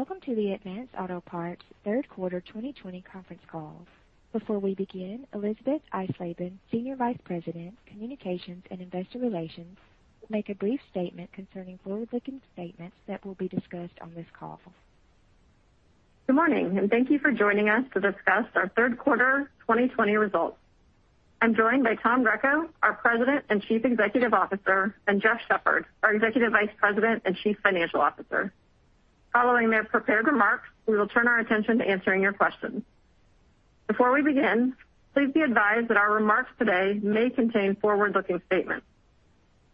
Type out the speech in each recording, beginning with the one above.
Welcome to the Advance Auto Parts third quarter 2020 conference call. Before we begin, Elisabeth Eisleben, Senior Vice President, Communications and Investor Relations, will make a brief statement concerning forward-looking statements that will be discussed on this call. Good morning. Thank you for joining us to discuss our third quarter 2020 results. I'm joined by Tom Greco, our President and Chief Executive Officer, and Jeff Shepherd, our Executive Vice President and Chief Financial Officer. Following their prepared remarks, we will turn our attention to answering your questions. Before we begin, please be advised that our remarks today may contain forward-looking statements.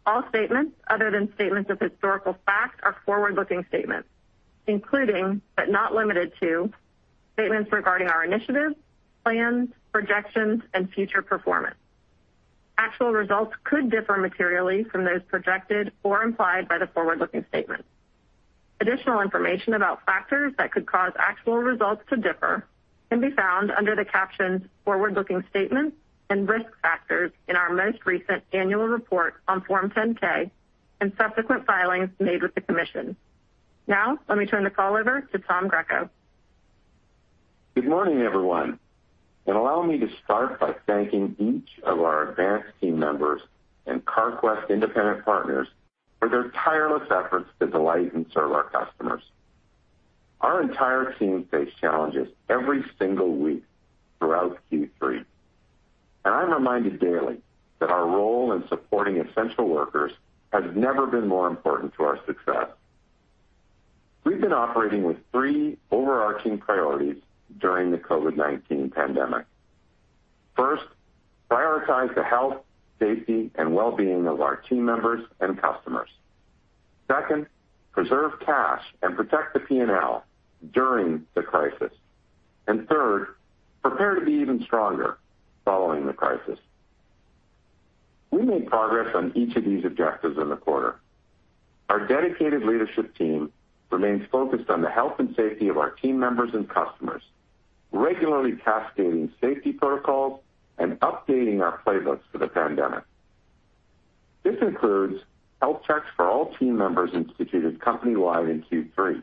All statements other than statements of historical fact are forward-looking statements, including, but not limited to, statements regarding our initiatives, plans, projections, and future performance. Actual results could differ materially from those projected or implied by the forward-looking statements. Additional information about factors that could cause actual results to differ can be found under the captions Forward-Looking Statements and Risk Factors in our most recent annual report on Form 10-K and subsequent filings made with the commission. Now, let me turn the call over to Tom Greco. Good morning, everyone, and allow me to start by thanking each of our Advance team members and Carquest independent partners for their tireless efforts to delight and serve our customers. Our entire team faced challenges every single week throughout Q3, and I'm reminded daily that our role in supporting essential workers has never been more important to our success. We've been operating with three overarching priorities during the COVID-19 pandemic. First, prioritize the health, safety, and well-being of our team members and customers. Second, preserve cash and protect the P&L during the crisis. Third, prepare to be even stronger following the crisis. We made progress on each of these objectives in the quarter. Our dedicated leadership team remains focused on the health and safety of our team members and customers, regularly cascading safety protocols and updating our playbooks for the pandemic. This includes health checks for all team members instituted company-wide in Q3.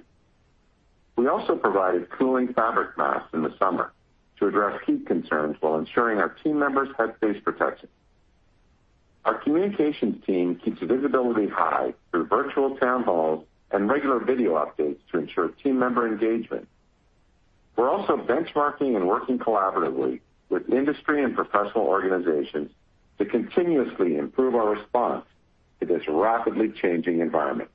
We also provided cooling fabric masks in the summer to address heat concerns while ensuring our team members had face protection. Our communications team keeps visibility high through virtual town halls and regular video updates to ensure team member engagement. We're also benchmarking and working collaboratively with industry and professional organizations to continuously improve our response to this rapidly changing environment.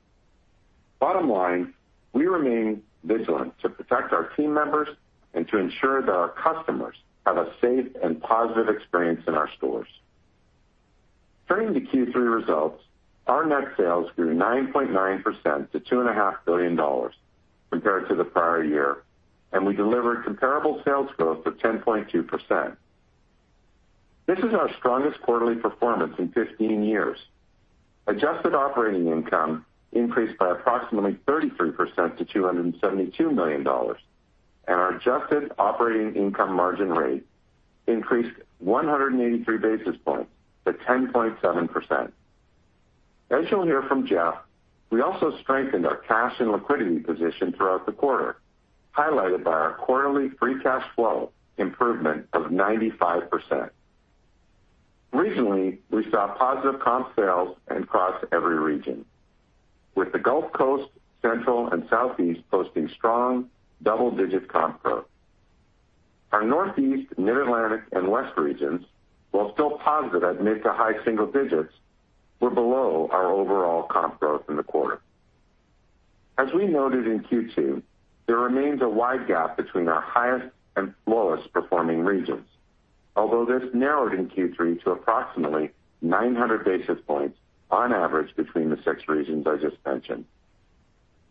Bottom line, we remain vigilant to protect our team members and to ensure that our customers have a safe and positive experience in our stores. Turning to Q3 results, our net sales grew 9.9% to $2.5 billion compared to the prior year, and we delivered comparable sales growth of 10.2%. This is our strongest quarterly performance in 15 years. Adjusted operating income increased by approximately 33% to $272 million, and our adjusted operating income margin rate increased 183 basis points to 10.7%. As you'll hear from Jeff, we also strengthened our cash and liquidity position throughout the quarter, highlighted by our quarterly free cash flow improvement of 95%. Regionally, we saw positive comp sales across every region, with the Gulf Coast, Central, and Southeast posting strong double-digit comp growth. Our Northeast, Mid-Atlantic, and West regions, while still positive at mid to high single digits, were below our overall comp growth in the quarter. As we noted in Q2, there remains a wide gap between our highest and lowest-performing regions, although this narrowed in Q3 to approximately 900 basis points on average between the six regions I just mentioned.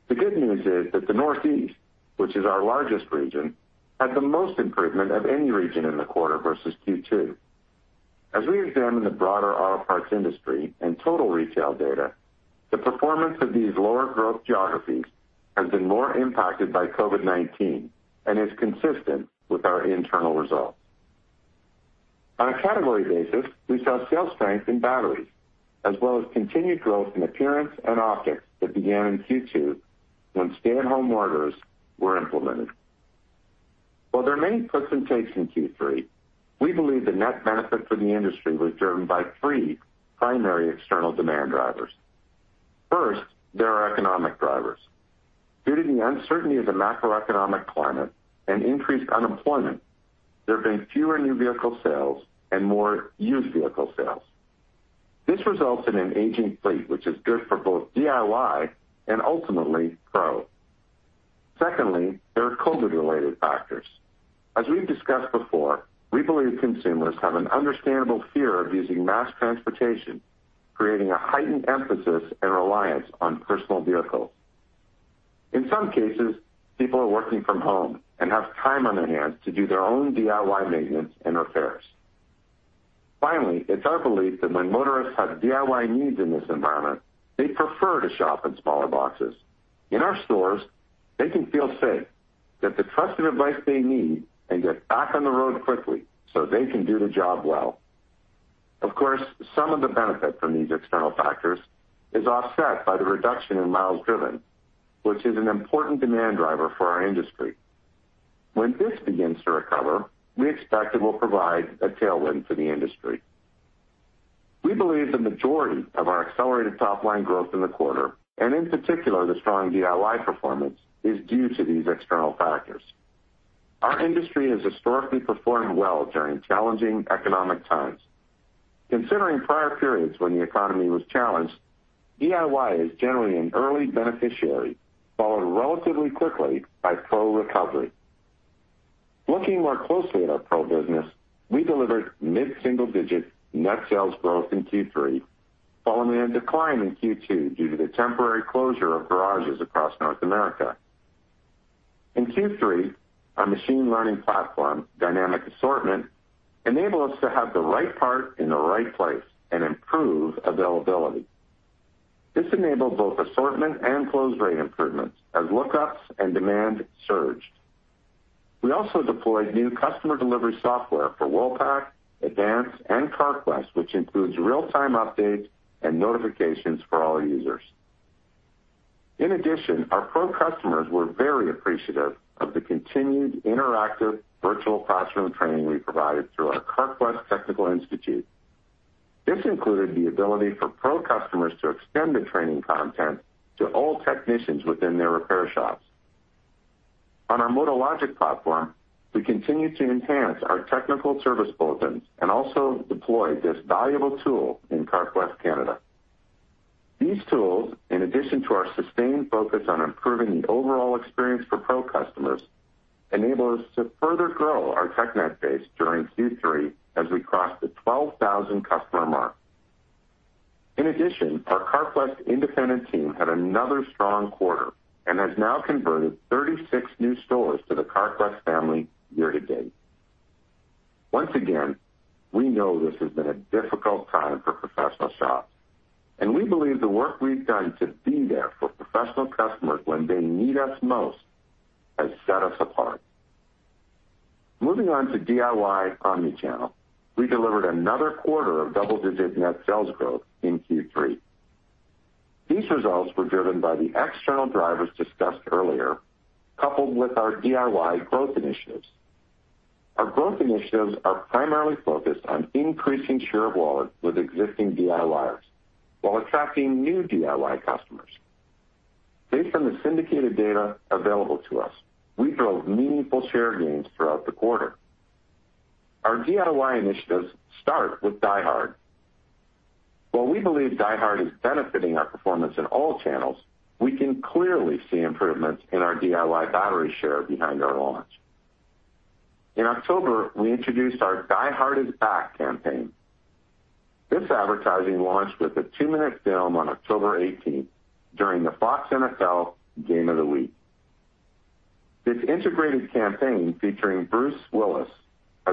The good news is that the Northeast, which is our largest region, had the most improvement of any region in the quarter versus Q2. As we examine the broader auto parts industry and total retail data, the performance of these lower-growth geographies has been more impacted by COVID-19 and is consistent with our internal results. On a category basis, we saw sales strength in batteries, as well as continued growth in appearance and optics that began in Q2 when stay-at-home orders were implemented. While there are many puts and takes in Q3, we believe the net benefit for the industry was driven by three primary external demand drivers. First, there are economic drivers. Due to the uncertainty of the macroeconomic climate and increased unemployment, there have been fewer new vehicle sales and more used vehicle sales. This results in an aging fleet, which is good for both DIY and ultimately pro. Secondly, there are COVID-related factors. As we've discussed before, we believe consumers have an understandable fear of using mass transportation, creating a heightened emphasis and reliance on personal vehicles. In some cases, people are working from home and have time on their hands to do their own DIY maintenance and repairs. Finally, it's our belief that when motorists have DIY needs in this environment, they prefer to shop in smaller boxes. In our stores, they can feel safe. Get the trusted advice they need, and get back on the road quickly so they can do the job well. Of course, some of the benefit from these external factors is offset by the reduction in miles driven, which is an important demand driver for our industry. When this begins to recover, we expect it will provide a tailwind for the industry. We believe the majority of our accelerated top-line growth in the quarter, and in particular, the strong DIY performance, is due to these external factors. Our industry has historically performed well during challenging economic times. Considering prior periods when the economy was challenged, DIY is generally an early beneficiary, followed relatively quickly by pro recovery. Looking more closely at our pro business, we delivered mid-single-digit net sales growth in Q3, following a decline in Q2 due to the temporary closure of garages across North America. In Q3, our machine learning platform, Dynamic Assortment, enabled us to have the right part in the right place and improve availability. This enabled both assortment and close rate improvements as lookups and demand surged. We also deployed new customer delivery software for Worldpac, Advance and Carquest, which includes real-time updates and notifications for all users. In addition, our pro customers were very appreciative of the continued interactive virtual classroom training we provided through our Carquest Technical Institute. This included the ability for pro customers to extend the training content to all technicians within their repair shops. On our MotoLogic platform, we continue to enhance our technical service bulletins and also deploy this valuable tool in Carquest Canada. These tools, in addition to our sustained focus on improving the overall experience for pro customers, enable us to further grow our TechNet base during Q3 as we crossed the 12,000 customer mark. In addition, our Carquest independent team had another strong quarter and has now converted 36 new stores to the Carquest family year-to-date. Once again, we know this has been a difficult time for professional shops, and we believe the work we've done to be there for professional customers when they need us most has set us apart. Moving on to DIY omnichannel, we delivered another quarter of double-digit net sales growth in Q3. These results were driven by the external drivers discussed earlier, coupled with our DIY growth initiatives. Our growth initiatives are primarily focused on increasing share of wallet with existing DIYers while attracting new DIY customers. Based on the syndicated data available to us, we drove meaningful share gains throughout the quarter. Our DIY initiatives start with DieHard. While we believe DieHard is benefiting our performance in all channels, we can clearly see improvements in our DIY battery share behind our launch. In October, we introduced our DieHard is Back campaign. This advertising launched with a two-minute film on October 18th during the NFL on Fox game of the week. This integrated campaign featuring Bruce Willis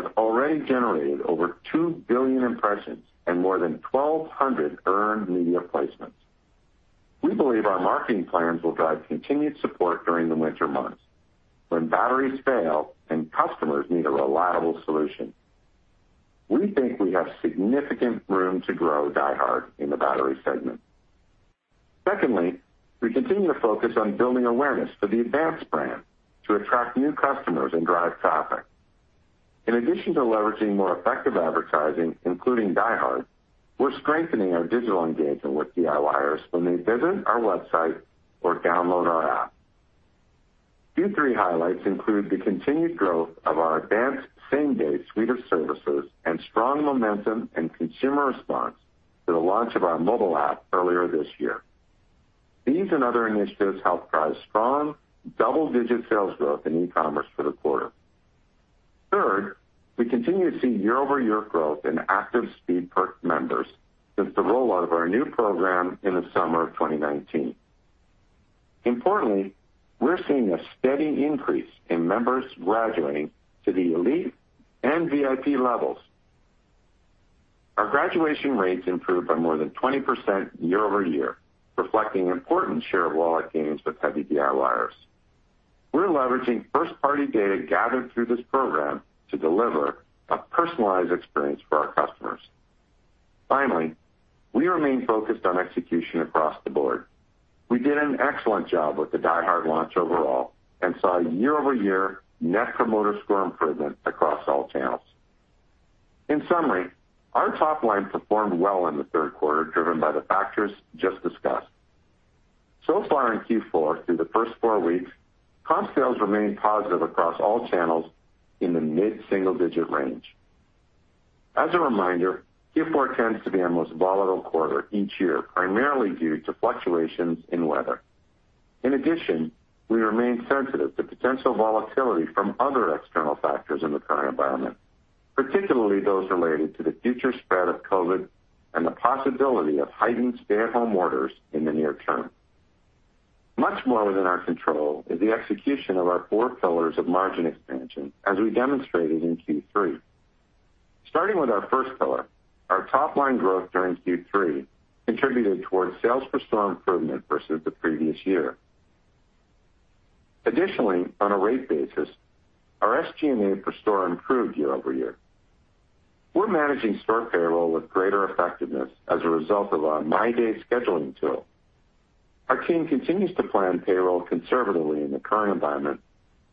has already generated over two billion impressions and more than 1,200 earned media placements. We believe our marketing plans will drive continued support during the winter months when batteries fail and customers need a reliable solution. We think we have significant room to grow DieHard in the battery segment. Secondly, we continue to focus on building awareness for the Advance brand to attract new customers and drive traffic. In addition to leveraging more effective advertising, including DieHard, we're strengthening our digital engagement with DIYers when they visit our website or download our app. Q3 highlights include the continued growth of our Advance same-day suite of services and strong momentum and consumer response to the launch of our mobile app earlier this year. These and other initiatives help drive strong double-digit sales growth in e-commerce for the quarter. Third, we continue to see year-over-year growth in active SpeedPerks members since the rollout of our new program in the summer of 2019. Importantly, we're seeing a steady increase in members graduating to the elite and VIP levels. Our graduation rates improved by more than 20% year-over-year, reflecting important share-of-wallet gains with heavy DIYers. We're leveraging first-party data gathered through this program to deliver a personalized experience for our customers. Finally, we remain focused on execution across the board. We did an excellent job with the DieHard launch overall and saw year-over-year net promoter score improvement across all channels. In summary, our top line performed well in the third quarter, driven by the factors just discussed. So far in Q4, through the first four weeks, comp sales remained positive across all channels in the mid-single-digit range. As a reminder, Q4 tends to be our most volatile quarter each year, primarily due to fluctuations in weather. In addition, we remain sensitive to potential volatility from other external factors in the current environment, particularly those related to the future spread of COVID and the possibility of heightened stay-at-home orders in the near term. Much more within our control is the execution of our four pillars of margin expansion, as we demonstrated in Q3. Starting with our first pillar, our top-line growth during Q3 contributed towards sales per store improvement versus the previous year. Additionally, on a rate basis, our SG&A per store improved year-over-year. We're managing store payroll with greater effectiveness as a result of our MyDay scheduling tool. Our team continues to plan payroll conservatively in the current environment,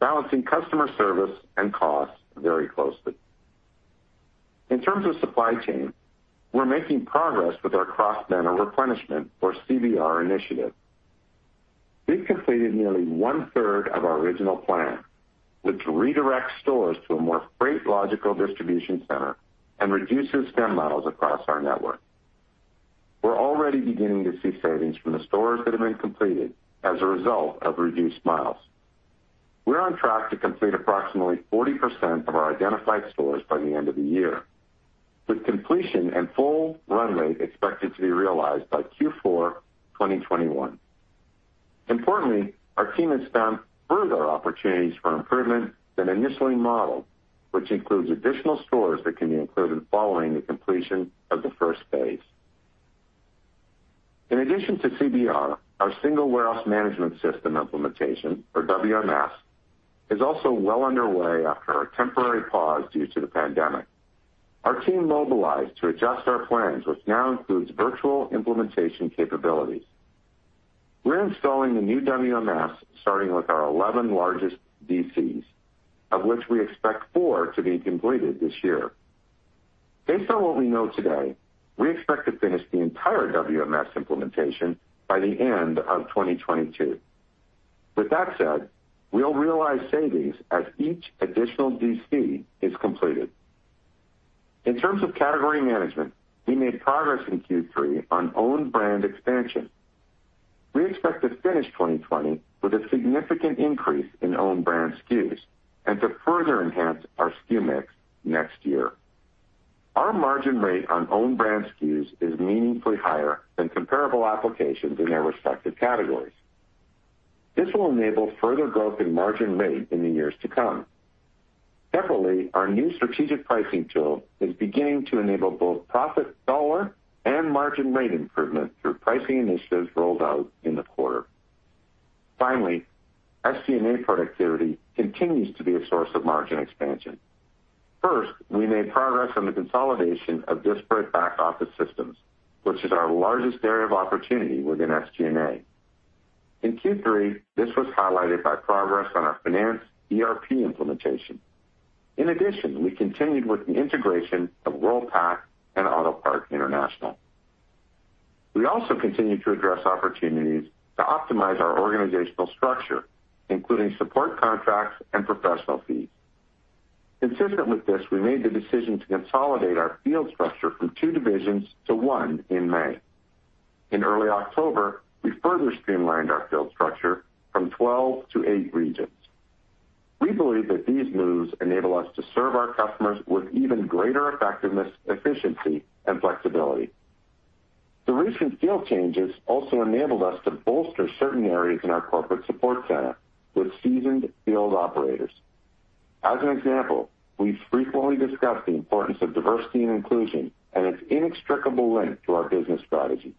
balancing customer service and cost very closely. In terms of supply chain, we're making progress with our Cross-Banner Replenishment, or CBR initiative. We've completed nearly one-third of our original plan, which redirects stores to a more freight logical distribution center and reduces stem miles across our network. We're already beginning to see savings from the stores that have been completed as a result of reduced miles. We're on track to complete approximately 40% of our identified stores by the end of the year, with completion and full run rate expected to be realized by Q4 2021. Importantly, our team has found further opportunities for improvement than initially modeled, which includes additional stores that can be included following the completion of the first phase. In addition to CBR, our single warehouse management system implementation, or WMS, is also well underway after a temporary pause due to the pandemic. Our team mobilized to adjust our plans, which now includes virtual implementation capabilities. We're installing the new WMS starting with our 11 largest DCs, of which we expect four to be completed this year. Based on what we know today, we expect to finish the entire WMS implementation by the end of 2022. With that said, we'll realize savings as each additional DC is completed. In terms of category management, we made progress in Q3 on own brand expansion. We expect to finish 2020 with a significant increase in own brand SKUs and to further enhance our SKU mix next year. Our margin rate on own brand SKUs is meaningfully higher than comparable applications in their respective categories. This will enable further growth in margin rate in the years to come. Separately, our new strategic pricing tool is beginning to enable both profit dollar and margin rate improvement through pricing initiatives rolled out in the quarter. Finally, SG&A productivity continues to be a source of margin expansion. First, we made progress on the consolidation of disparate back-office systems, which is our largest area of opportunity within SG&A. In Q3, this was highlighted by progress on our finance ERP implementation. In addition, we continued with the integration of Worldpac and Autopart International. We also continue to address opportunities to optimize our organizational structure, including support contracts and professional fees. Consistent with this, we made the decision to consolidate our field structure from two divisions to one in May. In early October, we further streamlined our field structure from 12 to 8 regions. We believe that these moves enable us to serve our customers with even greater effectiveness, efficiency, and flexibility. The recent field changes also enabled us to bolster certain areas in our corporate support center with seasoned field operators. As an example, we've frequently discussed the importance of diversity and inclusion and its inextricable link to our business strategy.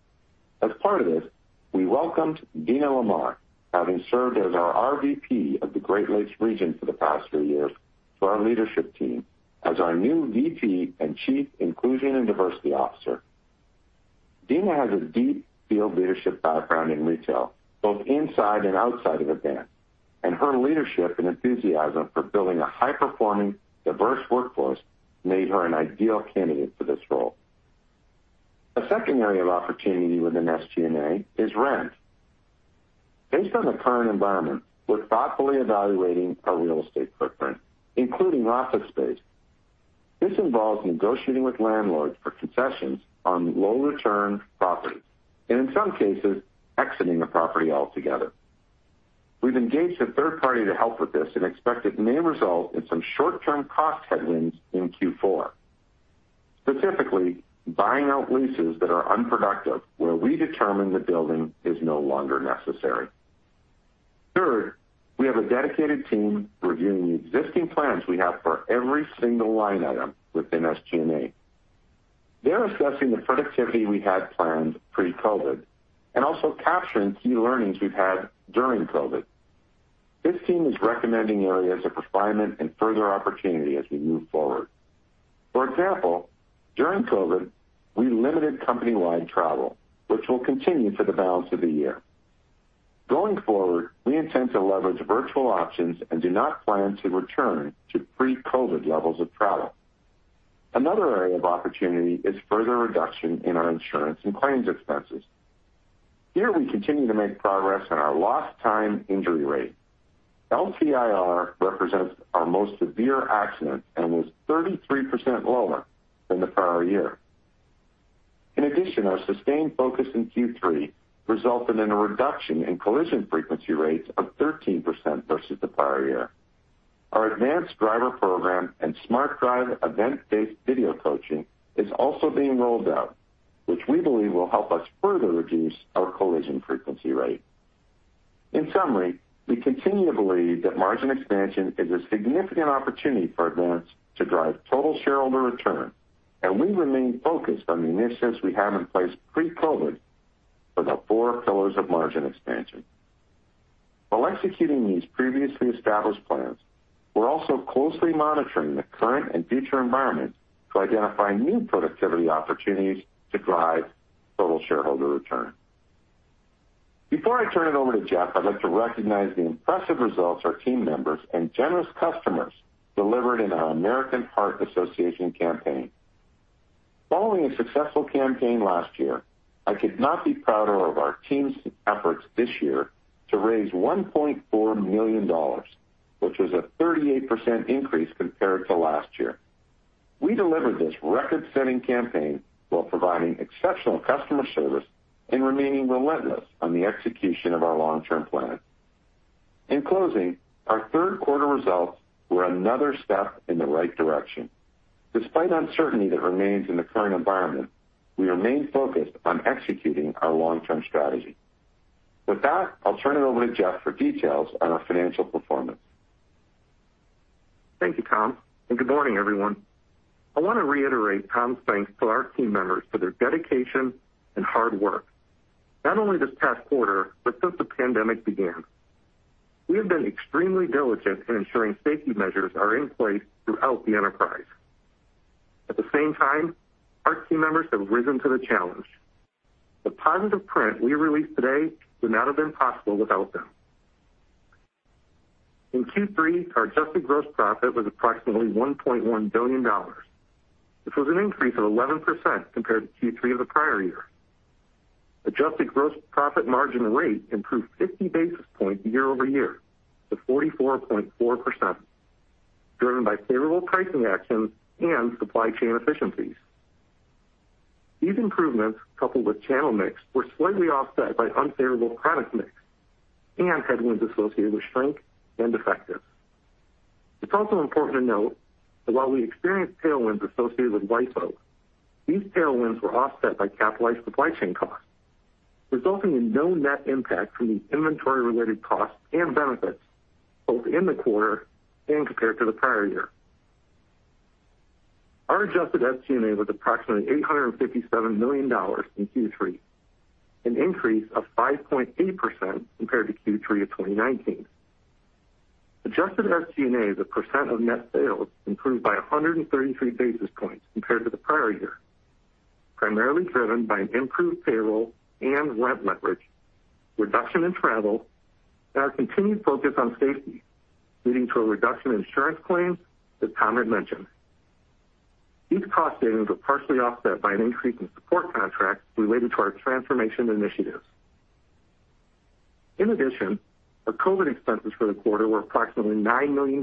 As part of this, we welcomed Dena LaMar, having served as our RVP of the Great Lakes region for the past three years, to our leadership team as our new VP and Chief Inclusion and Diversity Officer. Dena has a deep field leadership background in retail, both inside and outside of Advance, and her leadership and enthusiasm for building a high-performing, diverse workforce made her an ideal candidate for this role. A second area of opportunity within SG&A is rent. Based on the current environment, we're thoughtfully evaluating our real estate footprint, including office space. This involves negotiating with landlords for concessions on low-return property, and in some cases, exiting the property altogether. We've engaged a third party to help with this and expect it may result in some short-term cost headwinds in Q4. Specifically, buying out leases that are unproductive where we determine the building is no longer necessary. Third, we have a dedicated team reviewing the existing plans we have for every single line item within SG&A. They're assessing the productivity we had planned pre-COVID and also capturing key learnings we've had during COVID. This team is recommending areas of refinement and further opportunity as we move forward. For example, during COVID, we limited company-wide travel, which will continue for the balance of the year. Going forward, we intend to leverage virtual options and do not plan to return to pre-COVID levels of travel. Another area of opportunity is further reduction in our insurance and claims expenses. Here, we continue to make progress on our loss time injury rate. LTIR represents our most severe accident and was 33% lower than the prior year. In addition, our sustained focus in Q3 resulted in a reduction in collision frequency rates of 13% versus the prior year. Our advanced driver program and SmartDrive event-based video coaching is also being rolled out, which we believe will help us further reduce our collision frequency rate. In summary, we continue to believe that margin expansion is a significant opportunity for Advance to drive total shareholder return, and we remain focused on the initiatives we have in place pre-COVID for the four pillars of margin expansion. While executing these previously established plans, we're also closely monitoring the current and future environment to identify new productivity opportunities to drive total shareholder return. Before I turn it over to Jeff, I'd like to recognize the impressive results our team members and generous customers delivered in our American Heart Association campaign. Following a successful campaign last year, I could not be prouder of our team's efforts this year to raise $1.4 million, which was a 38% increase compared to last year. We delivered this record-setting campaign while providing exceptional customer service and remaining relentless on the execution of our long-term plan. In closing, our third quarter results were another step in the right direction. Despite uncertainty that remains in the current environment, we remain focused on executing our long-term strategy. With that, I'll turn it over to Jeff for details on our financial performance. Thank you, Tom, and good morning, everyone. I want to reiterate Tom's thanks to our team members for their dedication and hard work, not only this past quarter, but since the pandemic began. We have been extremely diligent in ensuring safety measures are in place throughout the enterprise. At the same time, our team members have risen to the challenge. The positive results we release today would not have been possible without them. In Q3, our adjusted gross profit was approximately $1.1 billion. This was an increase of 11% compared to Q3 of the prior year. Adjusted gross profit margin rate improved 50 basis points year-over-year to 44.4%, driven by favorable pricing actions and supply chain efficiencies. These improvements, coupled with channel mix, were slightly offset by unfavorable product mix and headwinds associated with shrink and defectives. It's also important to note that while we experienced tailwinds associated with LIFO, these tailwinds were offset by capitalized supply chain costs, resulting in no net impact from these inventory-related costs and benefits, both in the quarter and compared to the prior year. Our adjusted FCNA was approximately $857 million in Q3, an increase of 5.8% compared to Q3 of 2019. Adjusted FCNA as a % of net sales improved by 133 basis points compared to the prior year, primarily driven by an improved payroll and rent leverage, reduction in travel, and our continued focus on safety, leading to a reduction in insurance claims, as Tom had mentioned. These cost savings were partially offset by an increase in support contracts related to our transformation initiatives. In addition, our COVID expenses for the quarter were approximately $9 million.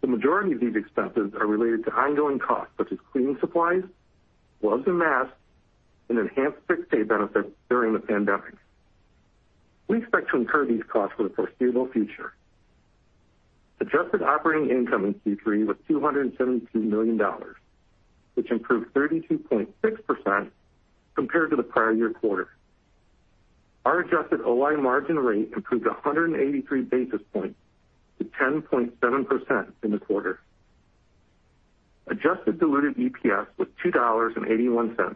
The majority of these expenses are related to ongoing costs such as cleaning supplies, gloves and masks, and enhanced sick pay benefits during the pandemic. We expect to incur these costs for the foreseeable future. Adjusted Operating Income in Q3 was $272 million, which improved 32.6% compared to the prior year quarter. Our adjusted OI margin rate improved 183 basis points to 10.7% in the quarter. Adjusted diluted EPS was $2.81,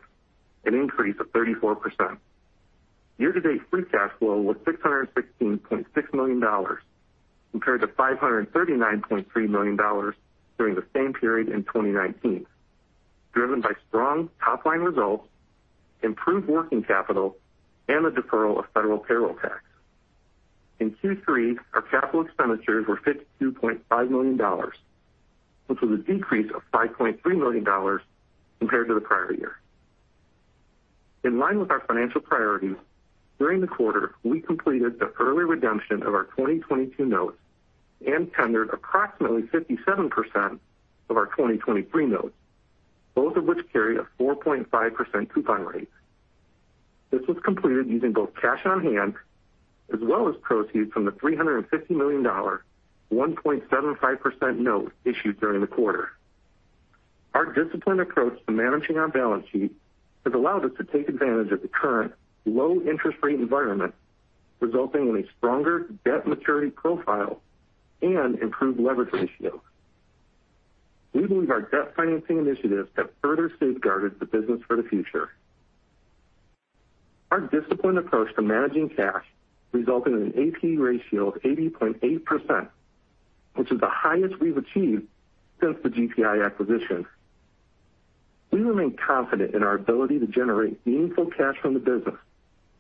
an increase of 34%. Year-to-date free cash flow was $616.6 million, compared to $539.3 million during the same period in 2019, driven by strong top-line results, improved working capital, and the deferral of federal payroll tax. In Q3, our capital expenditures were $52.5 million, which was a decrease of $5.3 million compared to the prior year. In line with our financial priorities, during the quarter, we completed the early redemption of our 2022 notes and tendered approximately 57% of our 2023 notes, both of which carry a 4.5% coupon rate. This was completed using both cash on hand as well as proceeds from the $350 million 1.75% note issued during the quarter. Our disciplined approach to managing our balance sheet has allowed us to take advantage of the current low-interest rate environment, resulting in a stronger debt maturity profile and improved leverage ratios. We believe our debt financing initiatives have further safeguarded the business for the future. Our disciplined approach to managing cash resulted in an AP ratio of 80.8%, which is the highest we've achieved since the GPI acquisition. We remain confident in our ability to generate meaningful cash from the business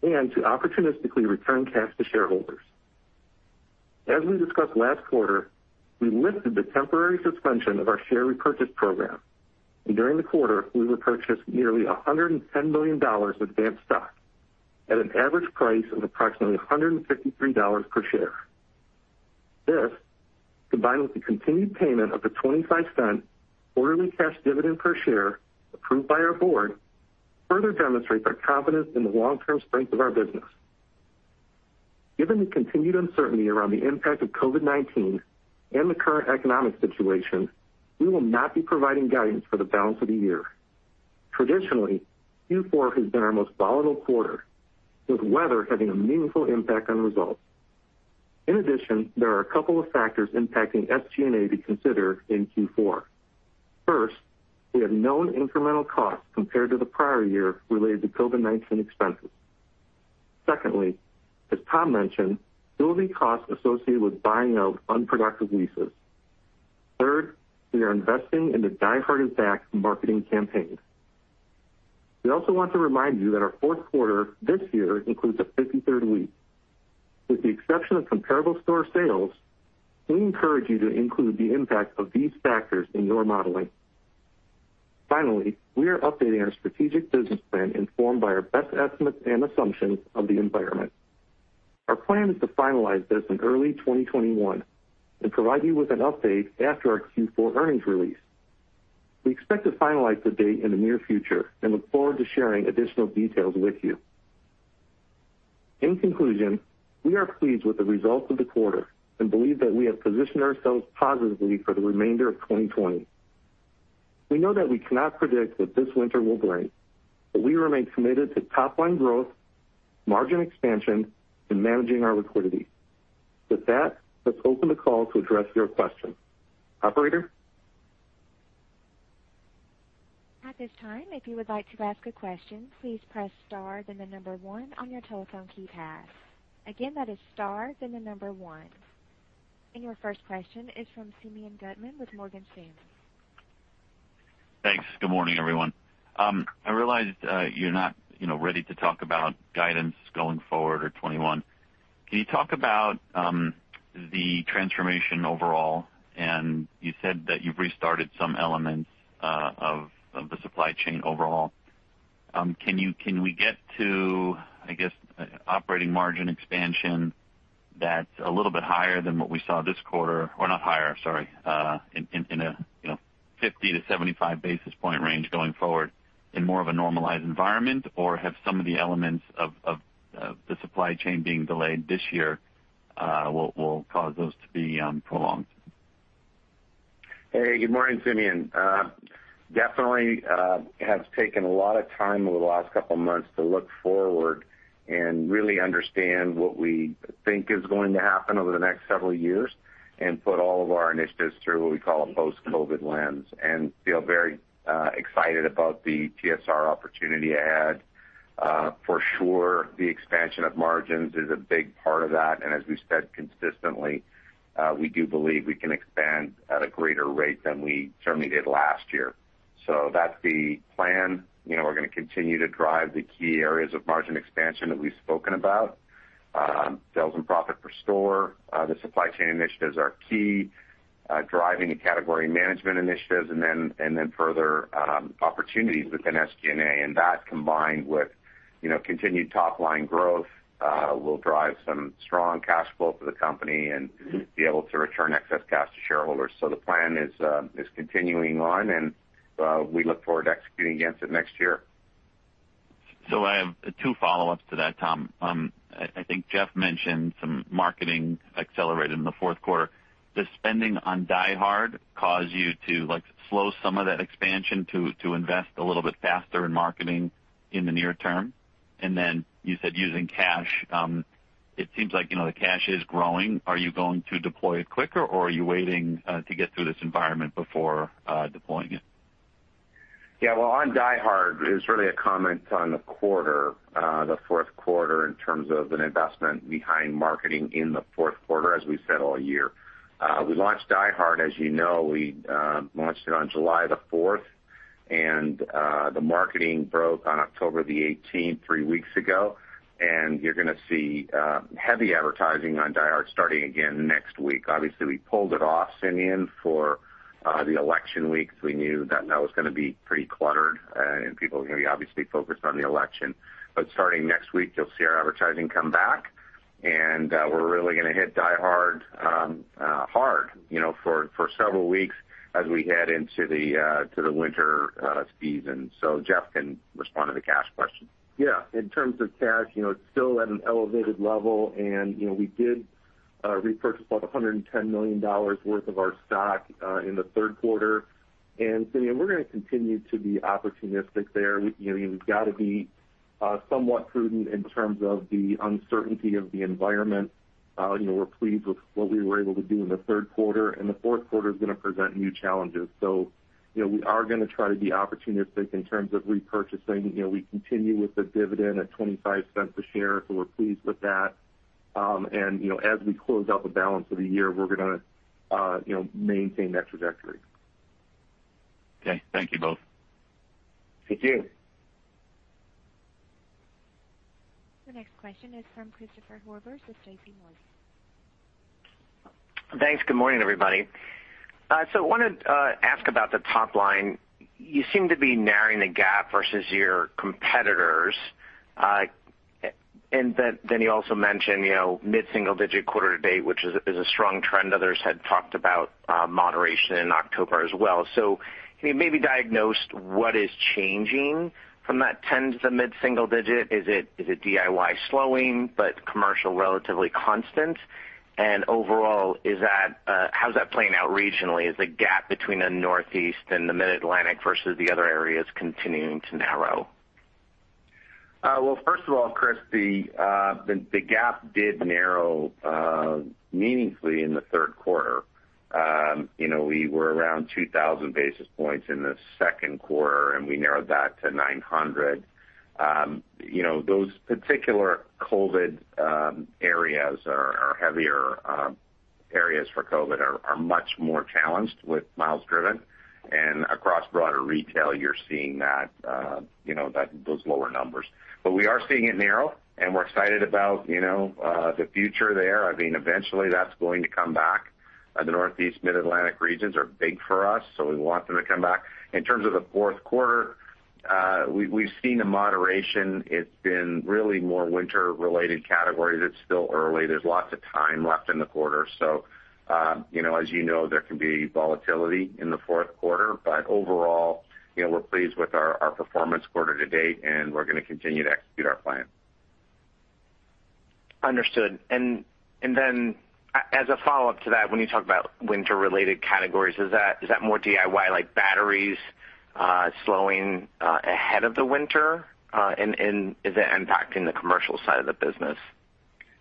and to opportunistically return cash to shareholders. As we discussed last quarter, we lifted the temporary suspension of our share repurchase program. During the quarter, we repurchased nearly $110 million of Advance stock at an average price of approximately $153 per share. This, combined with the continued payment of a $0.25 quarterly cash dividend per share approved by our board, further demonstrates our confidence in the long-term strength of our business. Given the continued uncertainty around the impact of COVID-19 and the current economic situation, we will not be providing guidance for the balance of the year. Traditionally, Q4 has been our most volatile quarter, with weather having a meaningful impact on results. In addition, there are a couple of factors impacting SG&A to consider in Q4. First, we have known incremental costs compared to the prior year related to COVID-19 expenses. Secondly, as Tom mentioned, there will be costs associated with buying out unproductive leases. Third, we are investing in the DieHard and TechNet marketing campaigns. We also want to remind you that our fourth quarter this year includes a 53rd week. With the exception of comparable store sales, we encourage you to include the impact of these factors in your modeling. Finally, we are updating our strategic business plan informed by our best estimates and assumptions of the environment. Our plan is to finalize this in early 2021 and provide you with an update after our Q4 earnings release. We expect to finalize the date in the near future and look forward to sharing additional details with you. In conclusion, we are pleased with the results of the quarter and believe that we have positioned ourselves positively for the remainder of 2020. We know that we cannot predict what this winter will bring, but we remain committed to top-line growth, margin expansion, and managing our liquidity. With that, let's open the call to address your questions. Operator? At this time, if you would like to ask a question, please press *1 on you telephone keypad. Again, that is *1. Your first question is from Simeon Gutman with Morgan Stanley. Thanks. Good morning, everyone. I realized you're not ready to talk about guidance going forward or 2021. Can you talk about the transformation overall? You said that you've restarted some elements of the supply chain overall. Can we get to, I guess, operating margin expansion that's a little bit higher than what we saw this quarter, or not higher, sorry, in a 50-75 basis point range going forward in more of a normalized environment? Have some of the elements of the supply chain being delayed this year will cause those to be prolonged? Hey, good morning, Simeon. Definitely has taken a lot of time over the last couple of months to look forward and really understand what we think is going to happen over the next several years and put all of our initiatives through what we call a post-COVID lens and feel very excited about the TSR opportunity ahead. For sure, the expansion of margins is a big part of that, and as we said consistently, we do believe we can expand at a greater rate than we certainly did last year. That's the plan. We're going to continue to drive the key areas of margin expansion that we've spoken about. Sales and profit per store. The supply chain initiatives are key. Driving the category management initiatives, further opportunities within SG&A, that combined with continued top-line growth will drive some strong cash flow for the company and be able to return excess cash to shareholders. The plan is continuing on, we look forward to executing against it next year. I have two follow-ups to that, Tom. I think Jeff mentioned some marketing accelerated in the fourth quarter. Does spending on DieHard cause you to slow some of that expansion to invest a little bit faster in marketing in the near term? Then you said using cash. It seems like the cash is growing. Are you going to deploy it quicker, or are you waiting to get through this environment before deploying it? Yeah. Well, on DieHard, it was really a comment on the quarter, the fourth quarter, in terms of an investment behind marketing in the fourth quarter, as we said all year. We launched DieHard, as you know, we launched it on July the 4th, and the marketing broke on October the 18th, three weeks ago, and you're going to see heavy advertising on DieHard starting again next week. Obviously, we pulled it off, Simeon, for the election week. We knew that that was going to be pretty cluttered, and people were going to be obviously focused on the election. Starting next week, you'll see our advertising come back, and we're really going to hit DieHard hard for several weeks as we head into the winter season. Jeff can respond to the cash question. Yeah. In terms of cash, it's still at an elevated level, and we did repurchase about $110 million worth of our stock in the third quarter. Simeon, we're going to continue to be opportunistic there. We've got to be somewhat prudent in terms of the uncertainty of the environment. We're pleased with what we were able to do in the third quarter, and the fourth quarter is going to present new challenges. We are going to try to be opportunistic in terms of repurchasing. We continue with the dividend at $0.25 a share, so we're pleased with that. As we close out the balance of the year, we're going to maintain that trajectory. Okay. Thank you both. Thank you. The next question is from Christopher Horvers with JPMorgan. Thanks. Good morning, everybody. I wanted to ask about the top line. You seem to be narrowing the gap versus your competitors. Then you also mentioned mid-single digit quarter to date, which is a strong trend. Others had talked about moderation in October as well. Can you maybe diagnose what is changing from that 10 to mid-single digit? Is it DIY slowing but commercial relatively constant? Overall, how's that playing out regionally? Is the gap between the Northeast and the Mid-Atlantic versus the other areas continuing to narrow? Well, first of all, Chris, the gap did narrow meaningfully in the third quarter. We were around 2,000 basis points in the second quarter, and we narrowed that to 900. Those particular COVID areas, or heavier areas for COVID, are much more challenged with miles driven. Across broader retail, you're seeing those lower numbers. We are seeing it narrow, and we're excited about the future there. Eventually, that's going to come back. The Northeast Mid-Atlantic regions are big for us, so we want them to come back. In terms of the fourth quarter, we've seen a moderation. It's been really more winter-related categories. It's still early. There's lots of time left in the quarter. As you know, there can be volatility in the fourth quarter. Overall, we're pleased with our performance quarter to date, and we're going to continue to execute our plan. Understood. As a follow-up to that, when you talk about winter-related categories, is that more DIY, like batteries slowing ahead of the winter? Is it impacting the commercial side of the business?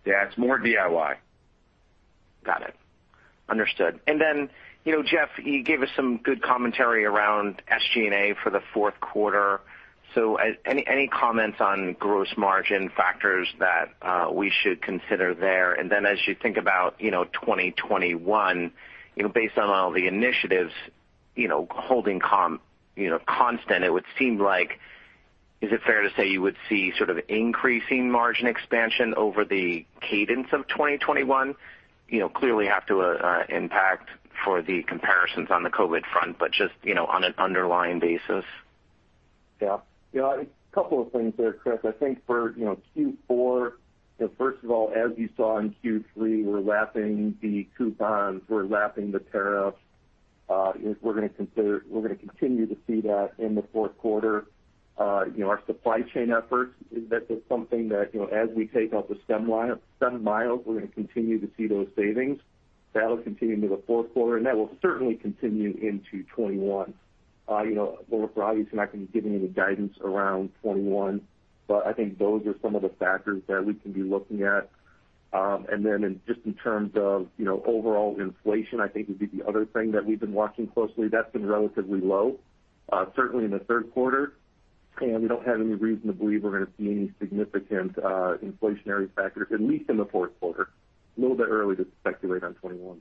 Yeah, it's more DIY. Got it. Understood. Jeff, you gave us some good commentary around SG&A for the fourth quarter. Any comments on gross margin factors that we should consider there? As you think about 2021, based on all the initiatives, holding constant, is it fair to say you would see sort of increasing margin expansion over the cadence of 2021? Clearly have to impact for the comparisons on the COVID front, but just on an underlying basis. Yeah. A couple of things there, Chris. I think for Q4, first of all, as you saw in Q3, we're lapping the coupons, we're lapping the tariffs. We're going to continue to see that in the fourth quarter. Our supply chain efforts, this is something that as we take out the stem miles, we're going to continue to see those savings. That'll continue into the fourth quarter, and that will certainly continue into 2021. Well, look, Robbie's not going to be giving any guidance around 2021, but I think those are some of the factors that we can be looking at. Then just in terms of overall inflation, I think would be the other thing that we've been watching closely. That's been relatively low, certainly in the third quarter, and we don't have any reason to believe we're going to see any significant inflationary factors, at least in the fourth quarter. A little bit early to speculate on 2021.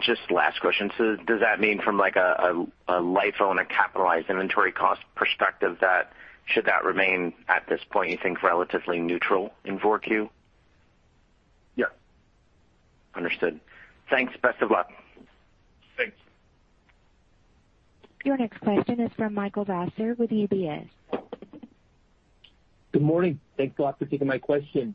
Just last question. Does that mean from, like, a LIFO and a capitalized inventory cost perspective, should that remain at this point, you think, relatively neutral in 4Q? Yeah. Understood. Thanks. Best of luck. Thanks. Your next question is from Michael Lasser with UBS. Good morning. Thanks a lot for taking my question.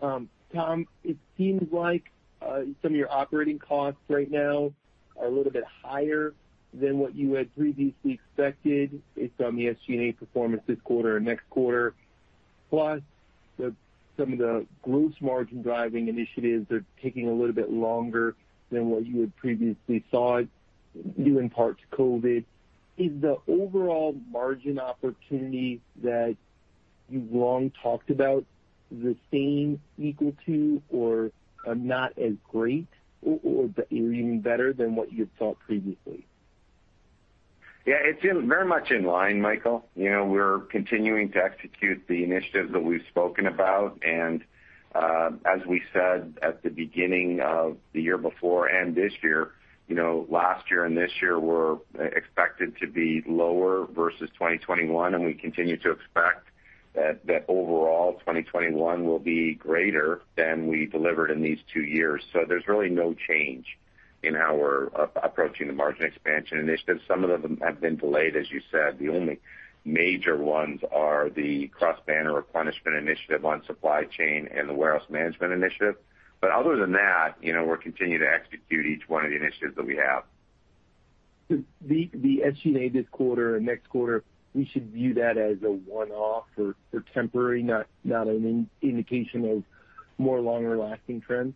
Tom, it seems like some of your operating costs right now are a little bit higher than what you had previously expected based on the SG&A performance this quarter and next quarter. Some of the gross margin-driving initiatives are taking a little bit longer than what you had previously thought, due in part to COVID. Is the overall margin opportunity that you've long talked about the same, equal to, or not as great, or even better than what you had thought previously? Yeah, it's very much in line, Michael. We're continuing to execute the initiatives that we've spoken about. As we said at the beginning of the year before and this year, last year and this year were expected to be lower versus 2021. There's really no change in our approaching the margin expansion initiatives. Some of them have been delayed, as you said. The only major ones are the Cross-Banner Replenishment initiative on supply chain and the warehouse management initiative. Other than that, we're continuing to execute each one of the initiatives that we have. The SG&A this quarter and next quarter, we should view that as a one-off or temporary, not an indication of more longer-lasting trends?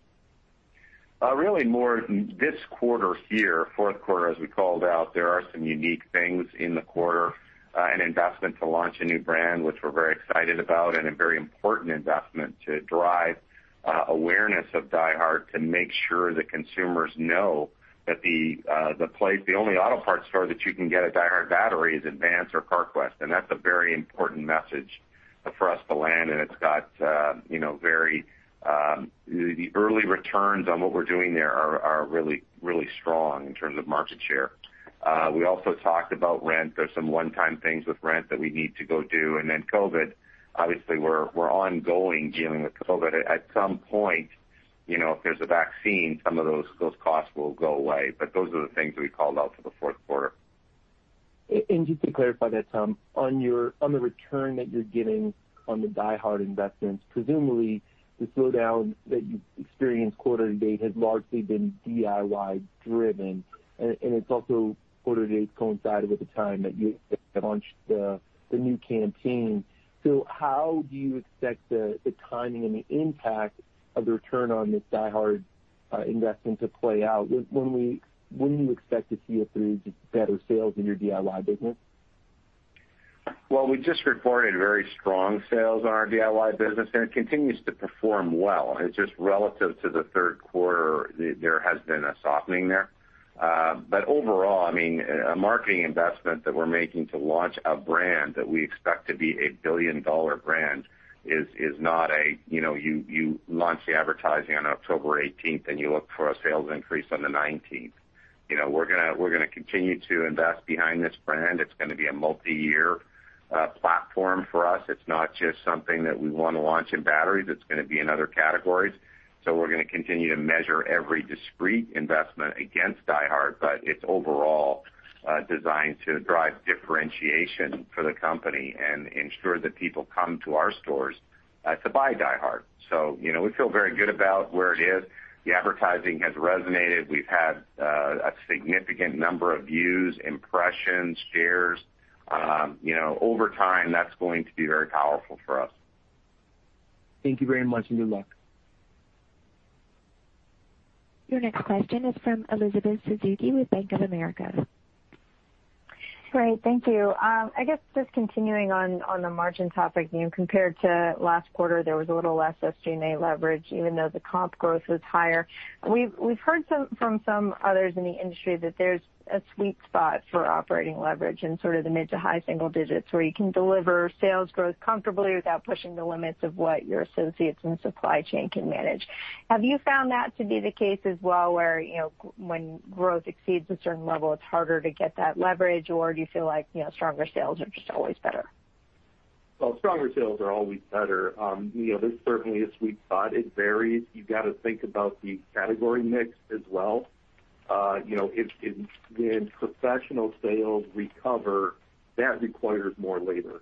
Really more this quarter here, fourth quarter, as we called out, there are some unique things in the quarter. An investment to launch a new brand, which we're very excited about, and a very important investment to drive awareness of DieHard to make sure that consumers know that the only auto parts store that you can get a DieHard battery is Advance or Carquest. That's a very important message for us to land. The early returns on what we're doing there are really strong in terms of market share. We also talked about rent. There's some one-time things with rent that we need to go do. COVID, obviously, we're ongoing dealing with COVID. At some point, if there's a vaccine, some of those costs will go away. Those are the things that we called out for the fourth quarter. Just to clarify that, Tom, on the return that you're getting on the DieHard investments, presumably the slowdown that you've experienced quarter to date has largely been DIY driven, and it's also quarter to date coincided with the time that you launched the new campaign. How do you expect the timing and the impact of the return on this DieHard investment to play out? When do you expect to see or through better sales in your DIY business? Well, we just reported very strong sales in our DIY business. It continues to perform well. It's just relative to the third quarter, there has been a softening there. Overall, a marketing investment that we're making to launch a brand that we expect to be a billion-dollar brand is not a you launch the advertising on October 18th. You look for a sales increase on the 19th. We're going to continue to invest behind this brand. It's going to be a multi-year platform for us. It's not just something that we want to launch in batteries. It's going to be in other categories. We're going to continue to measure every discrete investment against DieHard. It's overall designed to drive differentiation for the company. Ensure that people come to our stores to buy DieHard. We feel very good about where it is. The advertising has resonated. We've had a significant number of views, impressions, shares. Over time, that's going to be very powerful for us. Thank you very much, and good luck. Your next question is from Elizabeth Suzuki with Bank of America. Great. Thank you. I guess just continuing on the margin topic, compared to last quarter, there was a little less SG&A leverage even though the comp growth was higher. We've heard from some others in the industry that there's a sweet spot for operating leverage in sort of the mid to high single digits where you can deliver sales growth comfortably without pushing the limits of what your associates and supply chain can manage. Have you found that to be the case as well, where when growth exceeds a certain level, it's harder to get that leverage? Do you feel like stronger sales are just always better? Well, stronger sales are always better. There certainly is sweet spot. It varies. You've got to think about the category mix as well. When professional sales recover, that requires more labor.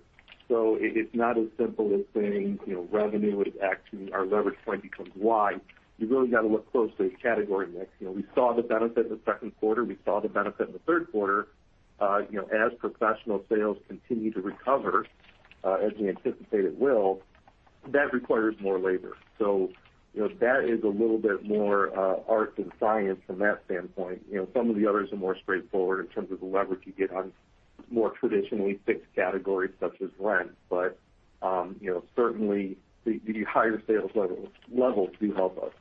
It's not as simple as saying revenue is X and our leverage point becomes Y. You really got to look closely at category mix. We saw the benefit in the second quarter. We saw the benefit in the third quarter. As professional sales continue to recover, as we anticipate it will, that requires more labor. That is a little bit more art than science from that standpoint. Some of the others are more straightforward in terms of the leverage you get on more traditionally fixed categories such as rent. Certainly, the higher sales levels do help us.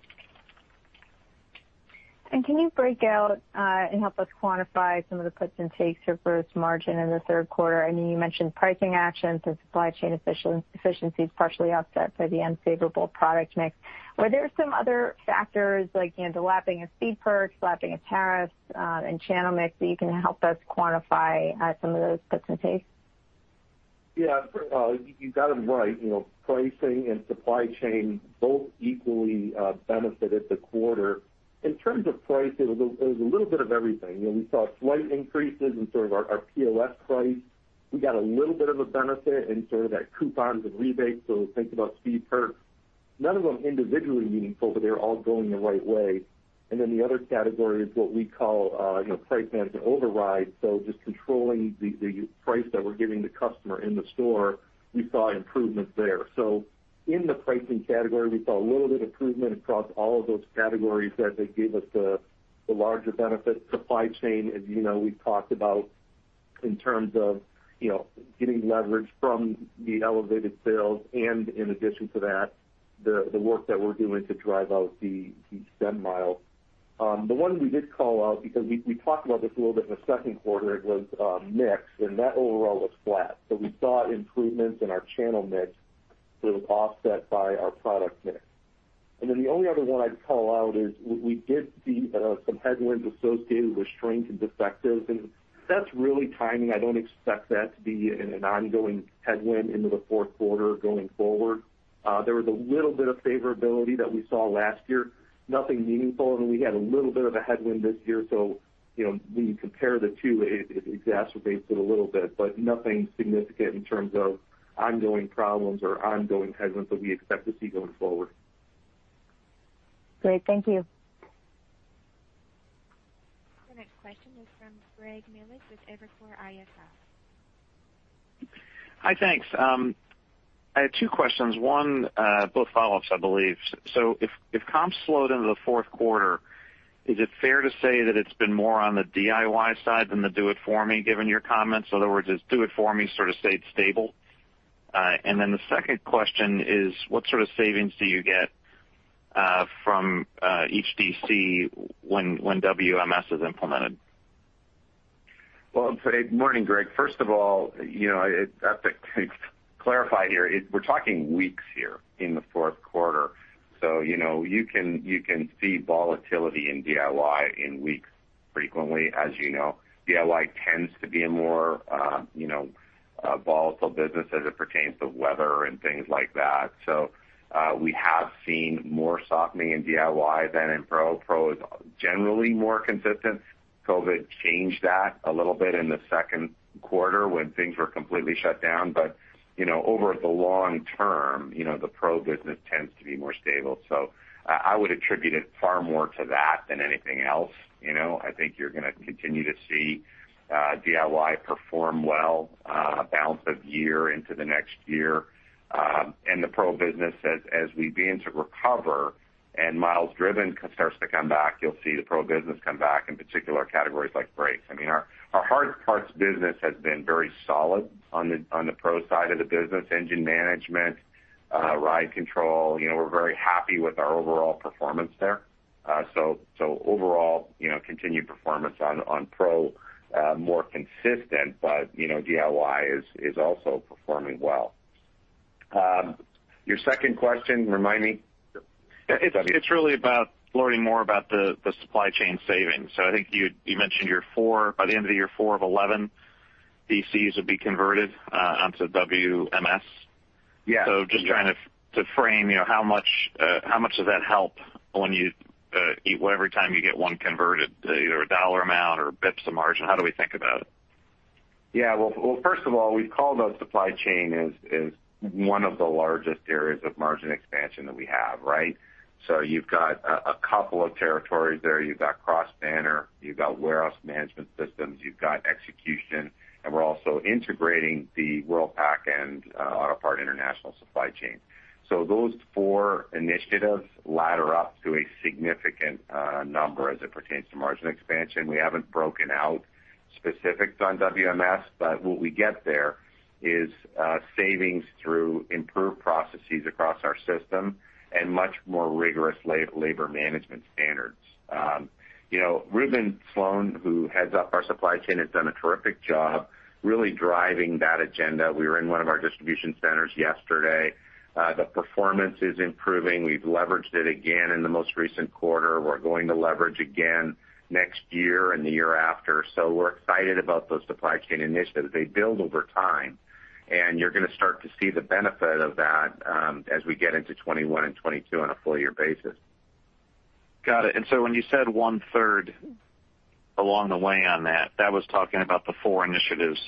Can you break out and help us quantify some of the puts and takes for gross margin in the third quarter? I know you mentioned pricing actions and supply chain efficiencies partially offset by the unfavorable product mix. Were there some other factors like the lapping of SpeedPerks, lapping of tariffs, and channel mix that you can help us quantify some of those puts and takes? Yeah. You got them right. Pricing and supply chain both equally benefited the quarter. In terms of price, it was a little bit of everything. We saw slight increases in sort of our POS price. We got a little bit of a benefit in sort of that coupons and rebates, so think about SpeedPerks. None of them individually meaningful, but they're all going the right way. The other category is what we call price management override. Just controlling the price that we're giving the customer in the store, we saw improvements there. In the pricing category, we saw a little bit improvement across all of those categories that gave us the larger benefit. Supply chain, as you know, we've talked about in terms of getting leverage from the elevated sales and in addition to that, the work that we're doing to drive out the spend mile. The one we did call out, because we talked about this a little bit in the second quarter, it was mix. That overall was flat. We saw improvements in our channel mix that was offset by our product mix. The only other one I'd call out is we did see some headwinds associated with shrink and defectives. That's really timing. I don't expect that to be an ongoing headwind into the fourth quarter going forward. There was a little bit of favorability that we saw last year, nothing meaningful. We had a little bit of a headwind this year. When you compare the two, it exacerbates it a little bit, but nothing significant in terms of ongoing problems or ongoing headwinds that we expect to see going forward. Great. Thank you. The next question is from Greg Melich with Evercore ISI. Hi, thanks. I have two questions. One, both follow-ups, I believe. If comps slowed into the fourth quarter, is it fair to say that it's been more on the DIY side than the Do It For Me, given your comments? Other words, does Do It For Me sort of stayed stable? The second question is, what sort of savings do you get from each DC when WMS is implemented? Morning, Greg. First of all, I have to clarify here. We're talking weeks here in the fourth quarter. You can see volatility in DIY in weeks frequently. As you know, DIY tends to be a more volatile business as it pertains to weather and things like that. We have seen more softening in DIY than in Pro. Pro is generally more consistent. COVID changed that a little bit in the second quarter when things were completely shut down. Over the long term, the Pro business tends to be more stable. I would attribute it far more to the Than anything else. I think you're going to continue to see DIY perform well, bounce of year into the next year. The Pro business, as we begin to recover and miles driven starts to come back, you'll see the Pro business come back in particular categories like brakes. Our hard parts business has been very solid on the Pro side of the business, engine management, ride control. We're very happy with our overall performance there. Overall, continued performance on Pro, more consistent, but DIY is also performing well. Your second question, remind me? It's really about learning more about the supply chain savings. I think you mentioned by the end of the year four of 11 DCs would be converted onto WMS. Yeah. Just trying to frame how much does that help every time you get one converted, either a dollar amount or basis points of margin? How do we think about it? First of all, we've called out supply chain as one of the largest areas of margin expansion that we have. You've got a couple of territories there. You've got Cross-Banner, you've got warehouse management systems, you've got execution, and we're also integrating the Worldpac and Autopart International supply chain. Those four initiatives ladder up to a significant number as it pertains to margin expansion. We haven't broken out specifics on WMS. What we get there is savings through improved processes across our system and much more rigorous labor management standards. Reuben Slone, who heads up our supply chain, has done a terrific job really driving that agenda. We were in one of our distribution centers yesterday. The performance is improving. We've leveraged it again in the most recent quarter. We're going to leverage again next year and the year after. We're excited about those supply chain initiatives. They build over time, and you're going to start to see the benefit of that as we get into 2021 and 2022 on a full year basis. Got it. When you said one-third along the way on that was talking about the four initiatives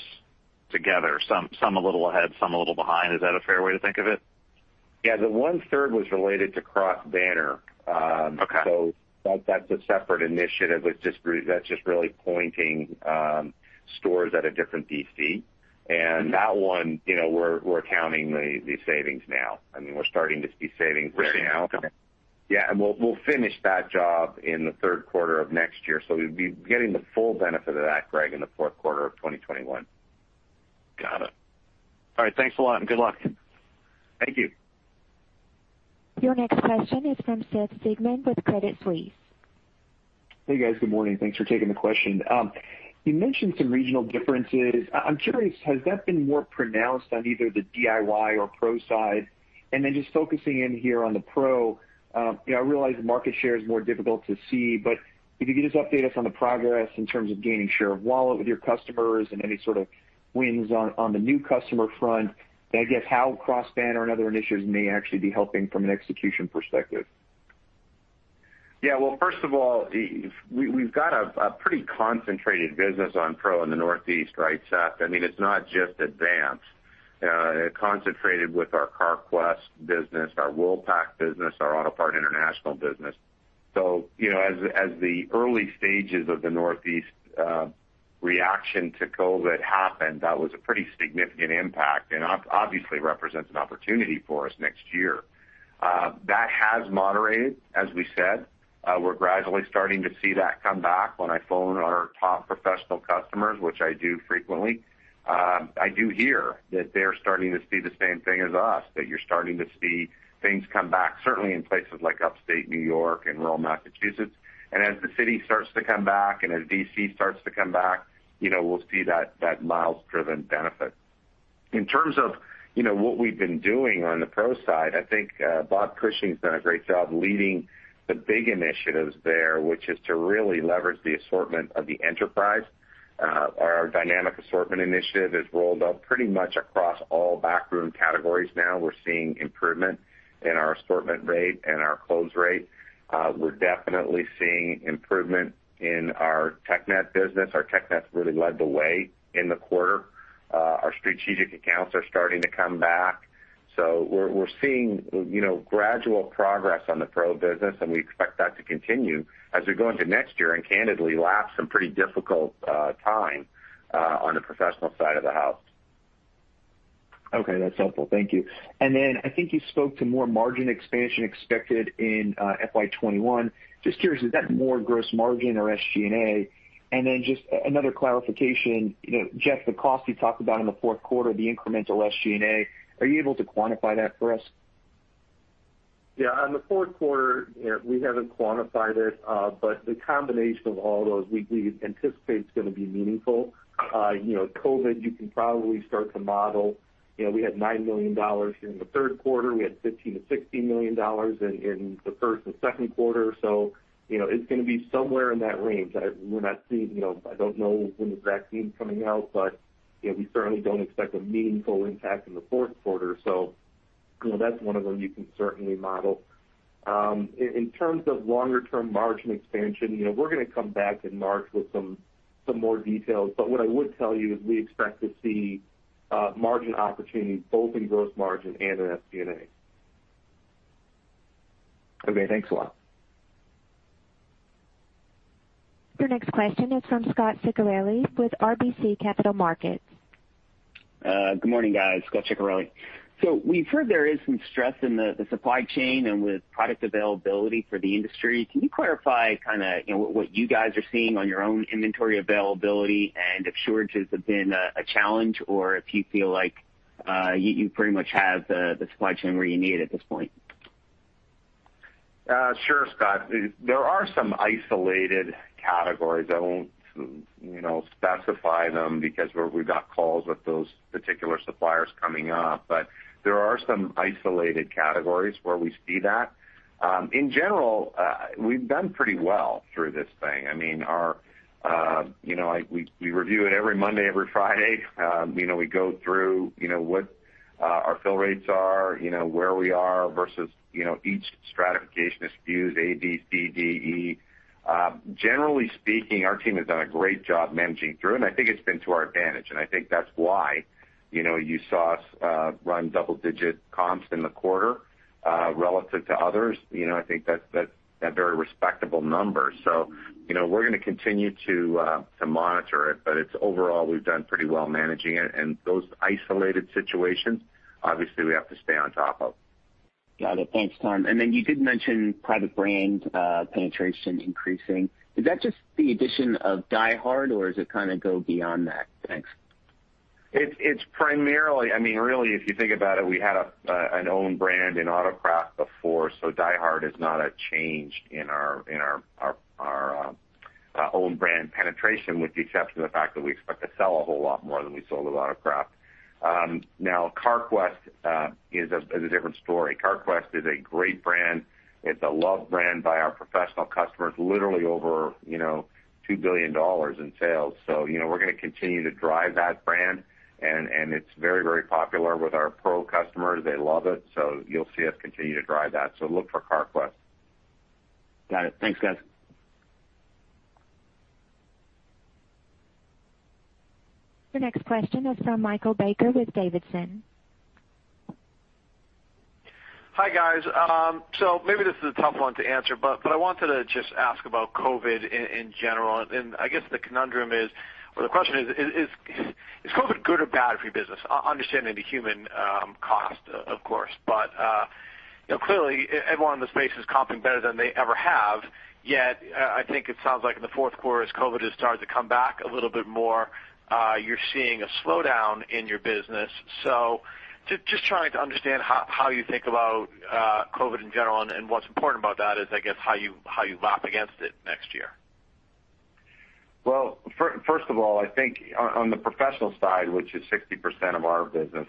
together, some a little ahead, some a little behind. Is that a fair way to think of it? Yeah, the one-third was related to Cross-Banner. Okay. That's a separate initiative that's just really pointing stores at a different DC. That one, we're counting the savings now. We're starting to see savings there now. We're seeing it now, okay. Yeah. We'll finish that job in the third quarter of next year. We'll be getting the full benefit of that, Greg, in the fourth quarter of 2021. Got it. All right, thanks a lot and good luck. Thank you. Your next question is from Seth Sigman with Credit Suisse. Hey, guys. Good morning. Thanks for taking the question. You mentioned some regional differences. I'm curious, has that been more pronounced on either the DIY or pro side? Then just focusing in here on the pro, I realize market share is more difficult to see, but if you could just update us on the progress in terms of gaining share of wallet with your customers and any sort of wins on the new customer front, I guess how Cross-Banner and other initiatives may actually be helping from an execution perspective. Well, first of all, we've got a pretty concentrated business on pro in the Northeast, Seth. It's not just Advance. It concentrated with our Carquest business, our Worldpac business, our Autopart International business. As the early stages of the Northeast reaction to COVID happened, that was a pretty significant impact, and obviously represents an opportunity for us next year. That has moderated, as we said. We're gradually starting to see that come back. When I phone our top professional customers, which I do frequently, I do hear that they're starting to see the same thing as us, that you're starting to see things come back, certainly in places like Upstate New York and rural Massachusetts. As the city starts to come back and as D.C. starts to come back, we'll see that miles driven benefit. In terms of what we've been doing on the pro side, I think Bob Cushing's done a great job leading the big initiatives there, which is to really leverage the assortment of the enterprise. Our Dynamic Assortment initiative is rolled out pretty much across all backroom categories now. We're seeing improvement in our assortment rate and our close rate. We're definitely seeing improvement in our TechNet business. Our TechNet's really led the way in the quarter. Our strategic accounts are starting to come back. We're seeing gradual progress on the pro business, and we expect that to continue as we go into next year and candidly lap some pretty difficult time on the professional side of the house. Okay, that's helpful. Thank you. I think you spoke to more margin expansion expected in FY 2021. Just curious, is that more gross margin or SG&A? Just another clarification. Jeff, the cost you talked about in the fourth quarter, the incremental SG&A, are you able to quantify that for us? Yeah. On the fourth quarter, we haven't quantified it, but the combination of all those, we anticipate it's going to be meaningful. COVID, you can probably start to model. We had $9 million in the third quarter. We had $15 million-$16 million in the first and second quarter. It's going to be somewhere in that range. I don't know when the vaccine's coming out, but we certainly don't expect a meaningful impact in the fourth quarter. That's one of them you can certainly model. In terms of longer term margin expansion, we're going to come back in March with some more details, but what I would tell you is we expect to see margin opportunity both in gross margin and in SG&A. Okay, thanks a lot. Your next question is from Scot Ciccarelli with RBC Capital Markets. Good morning, guys. Scot Ciccarelli. We've heard there is some stress in the supply chain and with product availability for the industry. Can you clarify what you guys are seeing on your own inventory availability and if shortages have been a challenge or if you feel like you pretty much have the supply chain where you need it at this point? Sure, Scot. There are some isolated categories. I won't specify them because we've got calls with those particular suppliers coming up. There are some isolated categories where we see that. In general, we've done pretty well through this thing. We review it every Monday, every Friday. We go through what our fill rates are, where we are versus each stratification SKUs, A, B, C, D, E. Generally speaking, our team has done a great job managing through, and I think it's been to our advantage. I think that's why you saw us run double-digit comps in the quarter relative to others. I think that's a very respectable number. We're going to continue to monitor it, but it's overall we've done pretty well managing it. Those isolated situations, obviously, we have to stay on top of. Got it. Thanks, Tom. You did mention private brand penetration increasing. Is that just the addition of DieHard or does it kind of go beyond that? Thanks. It's primarily, really if you think about it, we had an own brand in AutoCraft before, so DieHard is not a change in our own brand penetration with the exception of the fact that we expect to sell a whole lot more than we sold with AutoCraft. Carquest is a different story. Carquest is a great brand. It's a loved brand by our professional customers, literally over $2 billion in sales. We're going to continue to drive that brand, and it's very popular with our pro customers. They love it. You'll see us continue to drive that. Look for Carquest. Got it. Thanks, guys. Your next question is from Michael Baker with D.A. Davidson. Hi, guys. Maybe this is a tough one to answer, but I wanted to just ask about COVID in general. I guess the conundrum is, or the question is COVID good or bad for your business? Understanding the human cost, of course. Clearly, everyone in the space is comping better than they ever have, yet I think it sounds like in the fourth quarter as COVID has started to come back a little bit more, you're seeing a slowdown in your business. Just trying to understand how you think about COVID in general and what's important about that is, I guess, how you mop against it next year. Well, first of all, I think on the professional side, which is 60% of our business,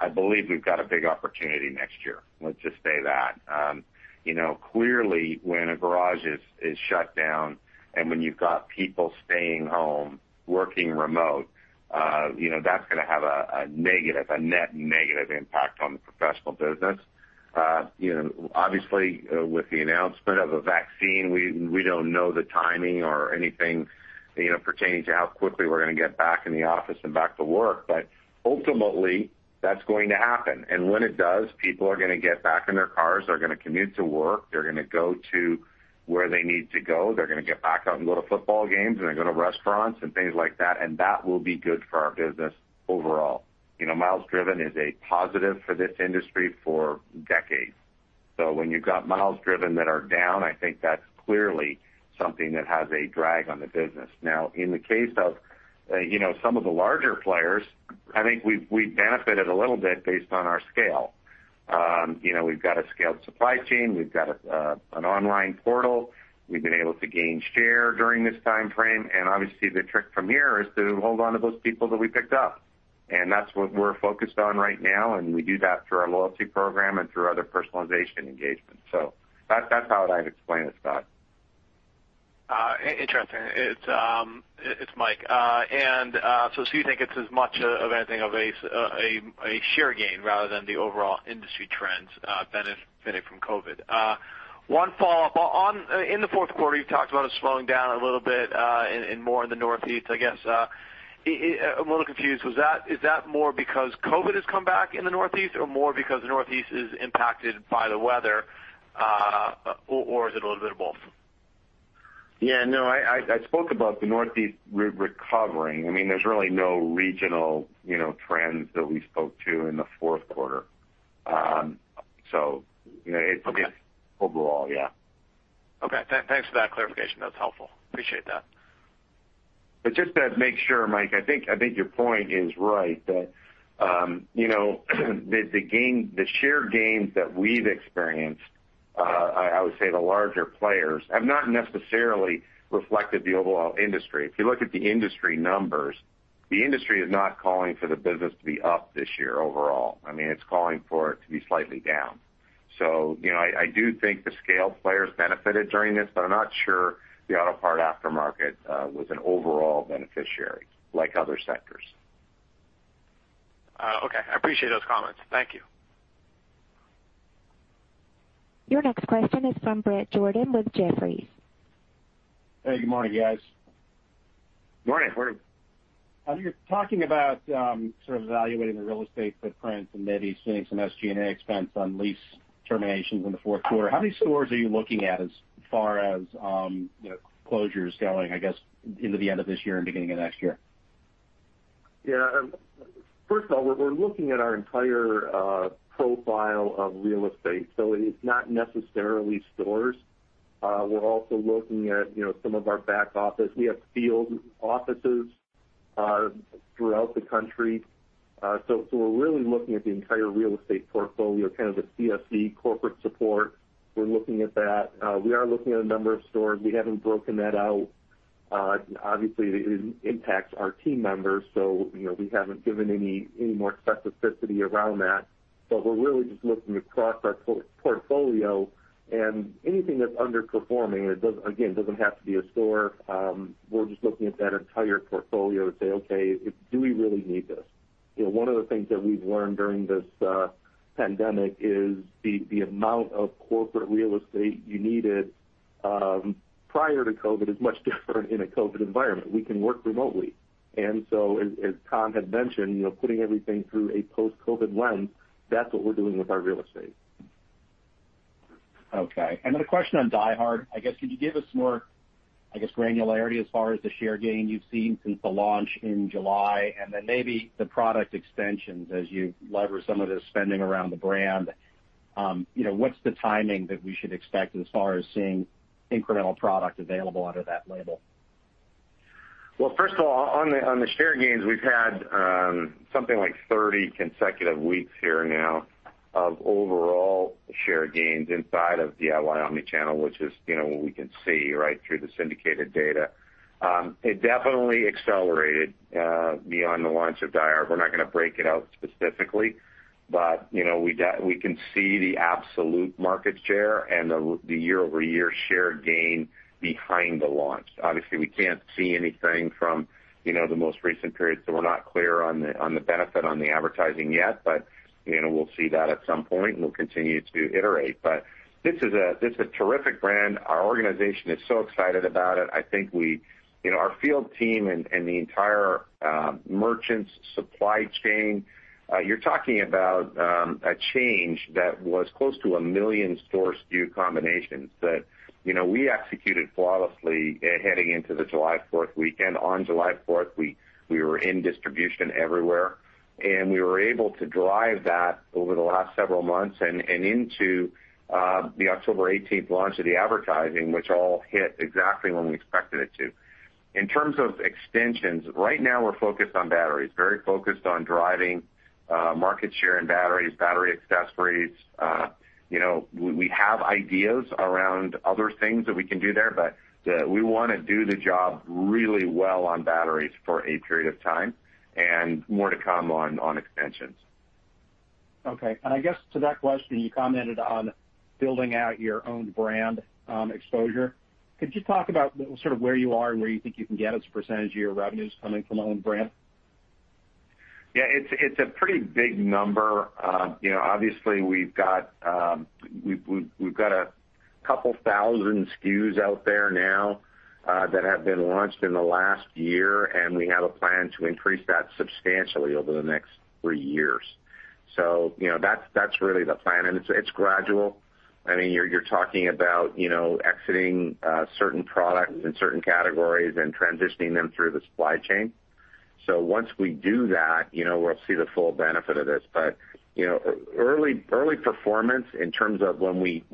I believe we've got a big opportunity next year. Let's just say that. Clearly, when a garage is shut down and when you've got people staying home, working remote, that's going to have a negative, a net negative impact on the professional business. Obviously, with the announcement of a vaccine, we don't know the timing or anything pertaining to how quickly we're going to get back in the office and back to work. Ultimately, that's going to happen. When it does, people are going to get back in their cars, they're going to commute to work, they're going to go to where they need to go. They're going to get back out and go to football games, and they're going to restaurants and things like that, and that will be good for our business overall. Miles driven is a positive for this industry for decades. When you've got miles driven that are down, I think that's clearly something that has a drag on the business. In the case of some of the larger players, I think we benefited a little bit based on our scale. We've got a scaled supply chain. We've got an online portal. We've been able to gain share during this time frame, obviously the trick from here is to hold on to those people that we picked up. That's what we're focused on right now, and we do that through our loyalty program and through other personalization engagements. That's how I'd explain it, Scott. Interesting. It's Michael. You think it's as much of anything of a share gain rather than the overall industry trends benefiting from COVID. One follow-up. In the fourth quarter, you talked about it slowing down a little bit and more in the Northeast, I guess. I'm a little confused. Is that more because COVID has come back in the Northeast or more because the Northeast is impacted by the weather? Is it a little bit of both? Yeah, no, I spoke about the Northeast recovering. There is really no regional trends that we spoke to in the fourth quarter. Okay overall, yeah. Okay. Thanks for that clarification. That's helpful. Appreciate that. Just to make sure, Mike, I think your point is right, that the share gains that we've experienced, I would say the larger players, have not necessarily reflected the overall industry. If you look at the industry numbers, the industry is not calling for the business to be up this year overall. It's calling for it to be slightly down. I do think the scaled players benefited during this, but I'm not sure the auto part aftermarket was an overall beneficiary like other sectors. Okay. I appreciate those comments. Thank you. Your next question is from Bret Jordan with Jefferies. Hey, good morning, guys. Good morning, Bret. You're talking about sort of evaluating the real estate footprint and maybe seeing some SG&A expense on lease terminations in the fourth quarter. How many stores are you looking at as far as closures going, I guess, into the end of this year and beginning of next year? Yeah. First of all, we're looking at our entire profile of real estate, so it is not necessarily stores. We're also looking at some of our back office. We have field offices throughout the country. We're really looking at the entire real estate portfolio, kind of the CSE corporate support. We're looking at that. We are looking at a number of stores. We haven't broken that out. Obviously, it impacts our team members, we haven't given any more specificity around that. We're really just looking across our portfolio and anything that's underperforming, again, doesn't have to be a store. We're just looking at that entire portfolio to say, "Okay, do we really need this?" One of the things that we've learned during this pandemic is the amount of corporate real estate you needed prior to COVID is much different in a COVID environment. We can work remotely. As Tom had mentioned, putting everything through a post-COVID lens, that's what we're doing with our real estate. Okay. A question on DieHard. I guess, could you give us more granularity as far as the share gain you've seen since the launch in July, and then maybe the product extensions as you leverage some of the spending around the brand? What's the timing that we should expect as far as seeing incremental product available under that label? Well, first of all, on the share gains, we've had something like 30 consecutive weeks here now of overall share gains inside of DIY omnichannel, which is what we can see right through the syndicated data. It definitely accelerated beyond the launch of DieHard. We're not going to break it out specifically, but we can see the absolute market share and the year-over-year share gain behind the launch. Obviously, we can't see anything from the most recent period, so we're not clear on the benefit on the advertising yet. But we'll see that at some point, and we'll continue to iterate. But this is a terrific brand. Our organization is so excited about it. I think our field team and the entire merchants supply chain, you're talking about a change that was close to 1 million store SKU combinations that we executed flawlessly heading into the July 4th weekend. On July 4th, we were in distribution everywhere, and we were able to drive that over the last several months and into the October 18th launch of the advertising, which all hit exactly when we expected it to. In terms of extensions, right now we're focused on batteries, very focused on driving market share in batteries, battery accessories. We have ideas around other things that we can do there, but we want to do the job really well on batteries for a period of time, and more to come on extensions. Okay. I guess to that question, you commented on building out your own brand exposure. Could you talk about sort of where you are and where you think you can get as a % of your revenues coming from own brand? It's a pretty big number. Obviously, we've got a couple thousand SKUs out there now that have been launched in the last year, and we have a plan to increase that substantially over the next three years. That's really the plan, and it's gradual. You're talking about exiting certain products in certain categories and transitioning them through the supply chain. Once we do that, we'll see the full benefit of this. Early performance in terms of when we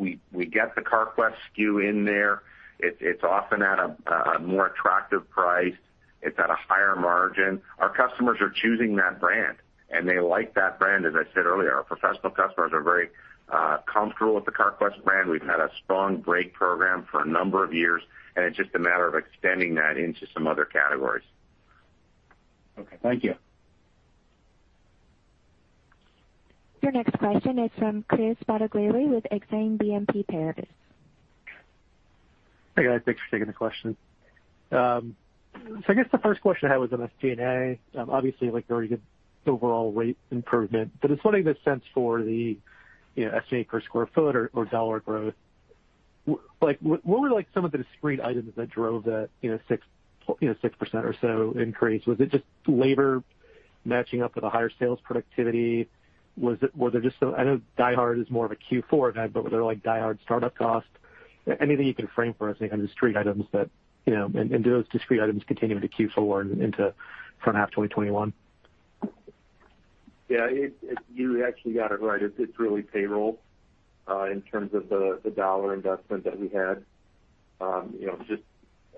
get the Carquest SKU in there, it's often at a more attractive price. It's at a higher margin. Our customers are choosing that brand, and they like that brand. As I said earlier, our professional customers are very comfortable with the Carquest brand. We've had a strong brake program for a number of years, and it's just a matter of extending that into some other categories. Okay. Thank you. Your next question is from Chris Bottiglieri with Exane BNP Paribas. Hey, guys. Thanks for taking the question. I guess the first question I had was on SG&A. Obviously, very good overall rate improvement, but I was wondering the sense for the SG&A per square foot or dollar growth. What were some of the discrete items that drove that 6% or so increase? Was it just labor matching up with the higher sales productivity? I know DieHard is more of a Q4 event, but were there DieHard startup costs? Anything you can frame for us, any kind of discrete items, and do those discrete items continue into Q4 and into front half 2021? Yeah. You actually got it right. It's really payroll in terms of the dollar investment that we had. Just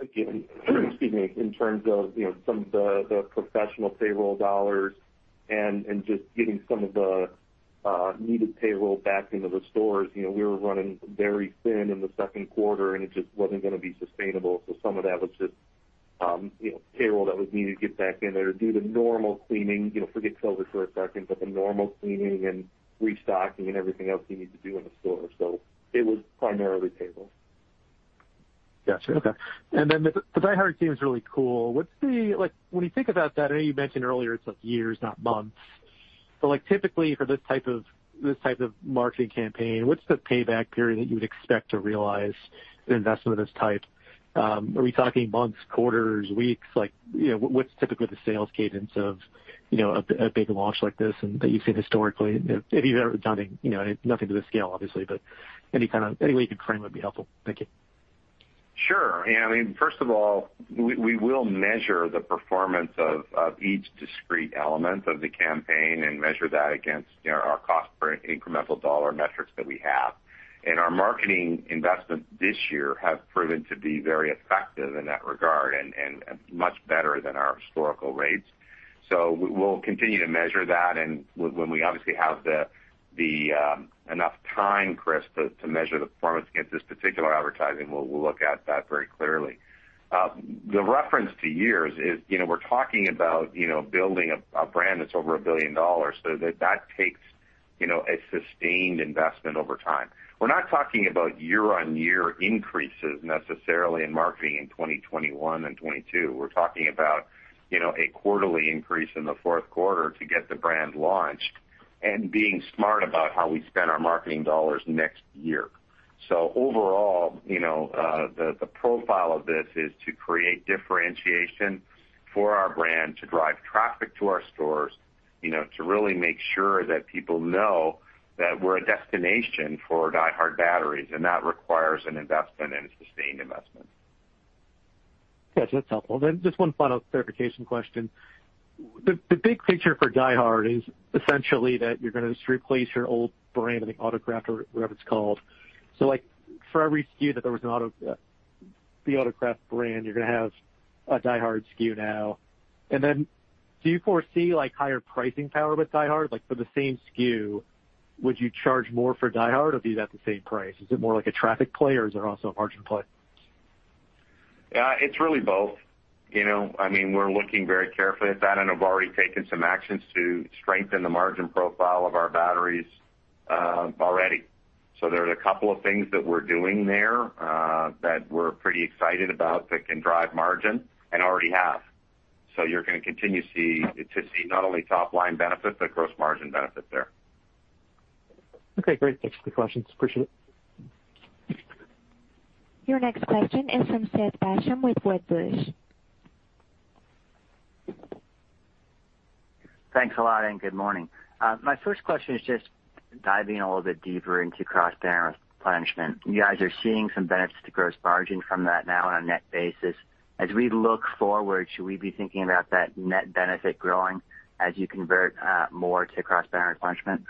again, excuse me, in terms of some of the professional payroll dollars and just getting some of the needed payroll back into the stores. We were running very thin in the second quarter. It just wasn't going to be sustainable. Some of that was just payroll that was needed to get back in there to do the normal cleaning. Forget COVID for a second. The normal cleaning and restocking and everything else you need to do in a store. It was primarily payroll. Got you. Okay. The DieHard team is really cool. When you think about that, I know you mentioned earlier it's years, not months, but typically for this type of marketing campaign, what's the payback period that you would expect to realize an investment of this type? Are we talking months, quarters, weeks? What's typically the sales cadence of a big launch like this, and that you've seen historically? If you've ever done nothing to this scale, obviously, but any way you could frame it would be helpful. Thank you. Sure. First of all, we will measure the performance of each discrete element of the campaign and measure that against our cost per incremental dollar metrics that we have. Our marketing investments this year have proven to be very effective in that regard and much better than our historical rates. We'll continue to measure that. When we obviously have enough time, Chris, to measure the performance against this particular advertising, we'll look at that very clearly. The reference to years is, we're talking about building a brand that's over $1 billion. That takes a sustained investment over time. We're not talking about year-on-year increases necessarily in marketing in 2021 and 2022. We're talking about a quarterly increase in the fourth quarter to get the brand launched and being smart about how we spend our marketing dollars next year. Overall, the profile of this is to create differentiation for our brand, to drive traffic to our stores, to really make sure that people know that we're a destination for DieHard batteries. That requires an investment and a sustained investment. Got you. That's helpful. Just one final clarification question. The big feature for DieHard is essentially that you're going to just replace your old brand, I think AutoCraft or whatever it's called. For every SKU that there was the AutoCraft brand, you're going to have a DieHard SKU now. Do you foresee higher pricing power with DieHard? Like for the same SKU, would you charge more for DieHard, or be that the same price? Is it more like a traffic play or is there also a margin play? It's really both. We're looking very carefully at that, and have already taken some actions to strengthen the margin profile of our batteries already. There's a couple of things that we're doing there that we're pretty excited about that can drive margin and already have. You're going to continue to see not only top-line benefits, but gross margin benefits there. Okay, great. Thanks for the questions. Appreciate it. Your next question is from Seth Basham with Wedbush. Thanks a lot and good morning. My first question is just diving a little bit deeper into Cross-Banner Replenishment. You guys are seeing some benefits to gross margin from that now on a net basis. As we look forward, should we be thinking about that net benefit growing as you convert more to Cross-Banner Replenishment?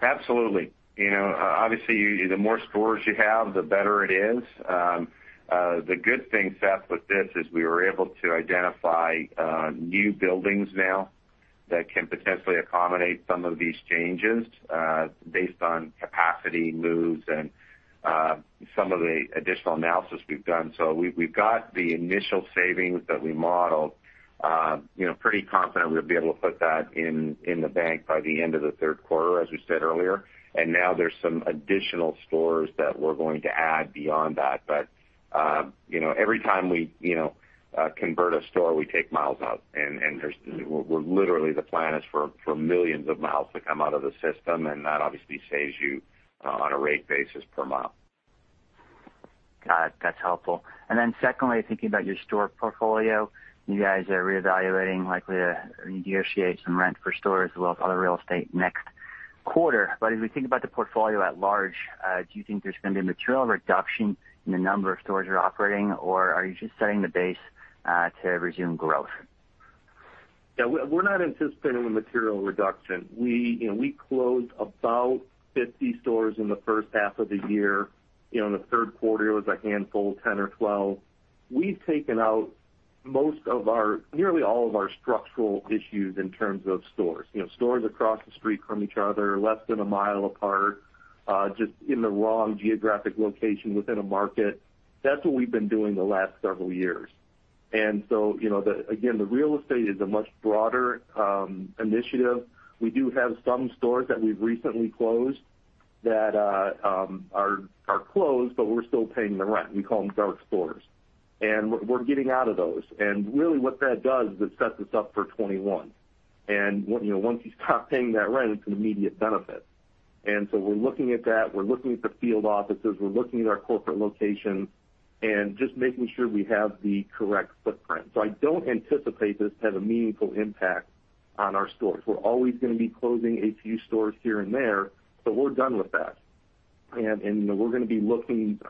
Absolutely. Obviously, the more stores you have, the better it is. The good thing, Seth, with this is we were able to identify new buildings now that can potentially accommodate some of these changes based on capacity moves and some of the additional analysis we've done. We've got the initial savings that we modeled. Pretty confident we'll be able to put that in the bank by the end of the third quarter, as we said earlier. Now there's some additional stores that we're going to add beyond that. Every time we convert a store, we take miles out, and literally the plan is for millions of miles to come out of the system, and that obviously saves you on a rate basis per mile. Got it. That's helpful. Secondly, thinking about your store portfolio, you guys are reevaluating likely to renegotiate some rent for stores as well as other real estate next quarter. As we think about the portfolio at large, do you think there's going to be a material reduction in the number of stores you're operating, or are you just setting the base to resume growth? Yeah, we're not anticipating a material reduction. We closed about 50 stores in the first half of the year. In the third quarter, it was a handful, 10 or 12. We've taken out nearly all of our structural issues in terms of stores. Stores across the street from each other, less than a mile apart, just in the wrong geographic location within a market. That's what we've been doing the last several years. Again, the real estate is a much broader initiative. We do have some stores that we've recently closed that are closed, but we're still paying the rent. We call them dark stores. We're getting out of those. Really what that does is it sets us up for 2021. Once you stop paying that rent, it's an immediate benefit. We're looking at that. We're looking at the field offices, we're looking at our corporate locations and just making sure we have the correct footprint. I don't anticipate this to have a meaningful impact on our stores. We're always going to be closing a few stores here and there, but we're done with that. We're going to be looking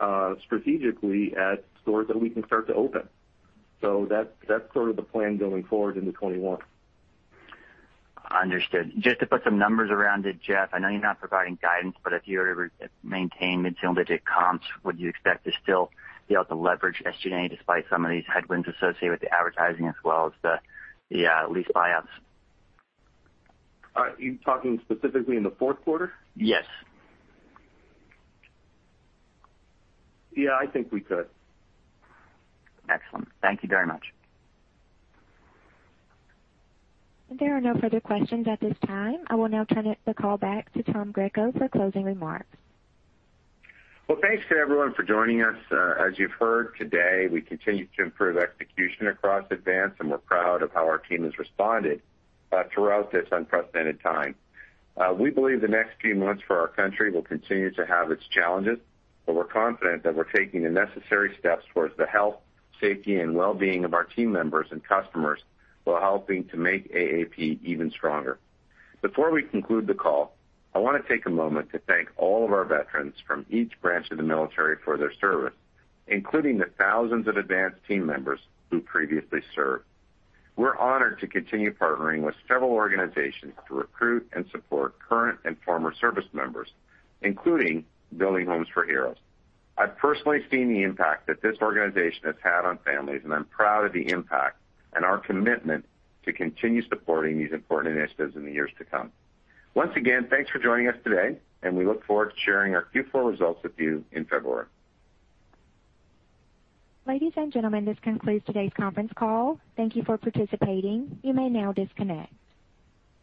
strategically at stores that we can start to open. That's sort of the plan going forward into 2021. Understood. Just to put some numbers around it, Jeff, I know you're not providing guidance, but if you were to maintain mid-single digit comps, would you expect to still be able to leverage SG&A despite some of these headwinds associated with the advertising as well as the lease buyouts? Are you talking specifically in the fourth quarter? Yes. Yeah, I think we could. Excellent. Thank you very much. There are no further questions at this time. I will now turn it the call back to Tom Greco for closing remarks. Well, thanks to everyone for joining us. As you've heard today, we continue to improve execution across Advance and we're proud of how our team has responded throughout this unprecedented time. We believe the next few months for our country will continue to have its challenges, we're confident that we're taking the necessary steps towards the health, safety, and well-being of our team members and customers while helping to make AAP even stronger. Before we conclude the call, I want to take a moment to thank all of our veterans from each branch of the military for their service, including the thousands of Advance team members who previously served. We're honored to continue partnering with several organizations to recruit and support current and former service members, including Building Homes for Heroes. I've personally seen the impact that this organization has had on families, and I'm proud of the impact and our commitment to continue supporting these important initiatives in the years to come. Once again, thanks for joining us today and we look forward to sharing our Q4 results with you in February. Ladies and gentlemen, this concludes today's conference call. Thank you for participating. You may now disconnect.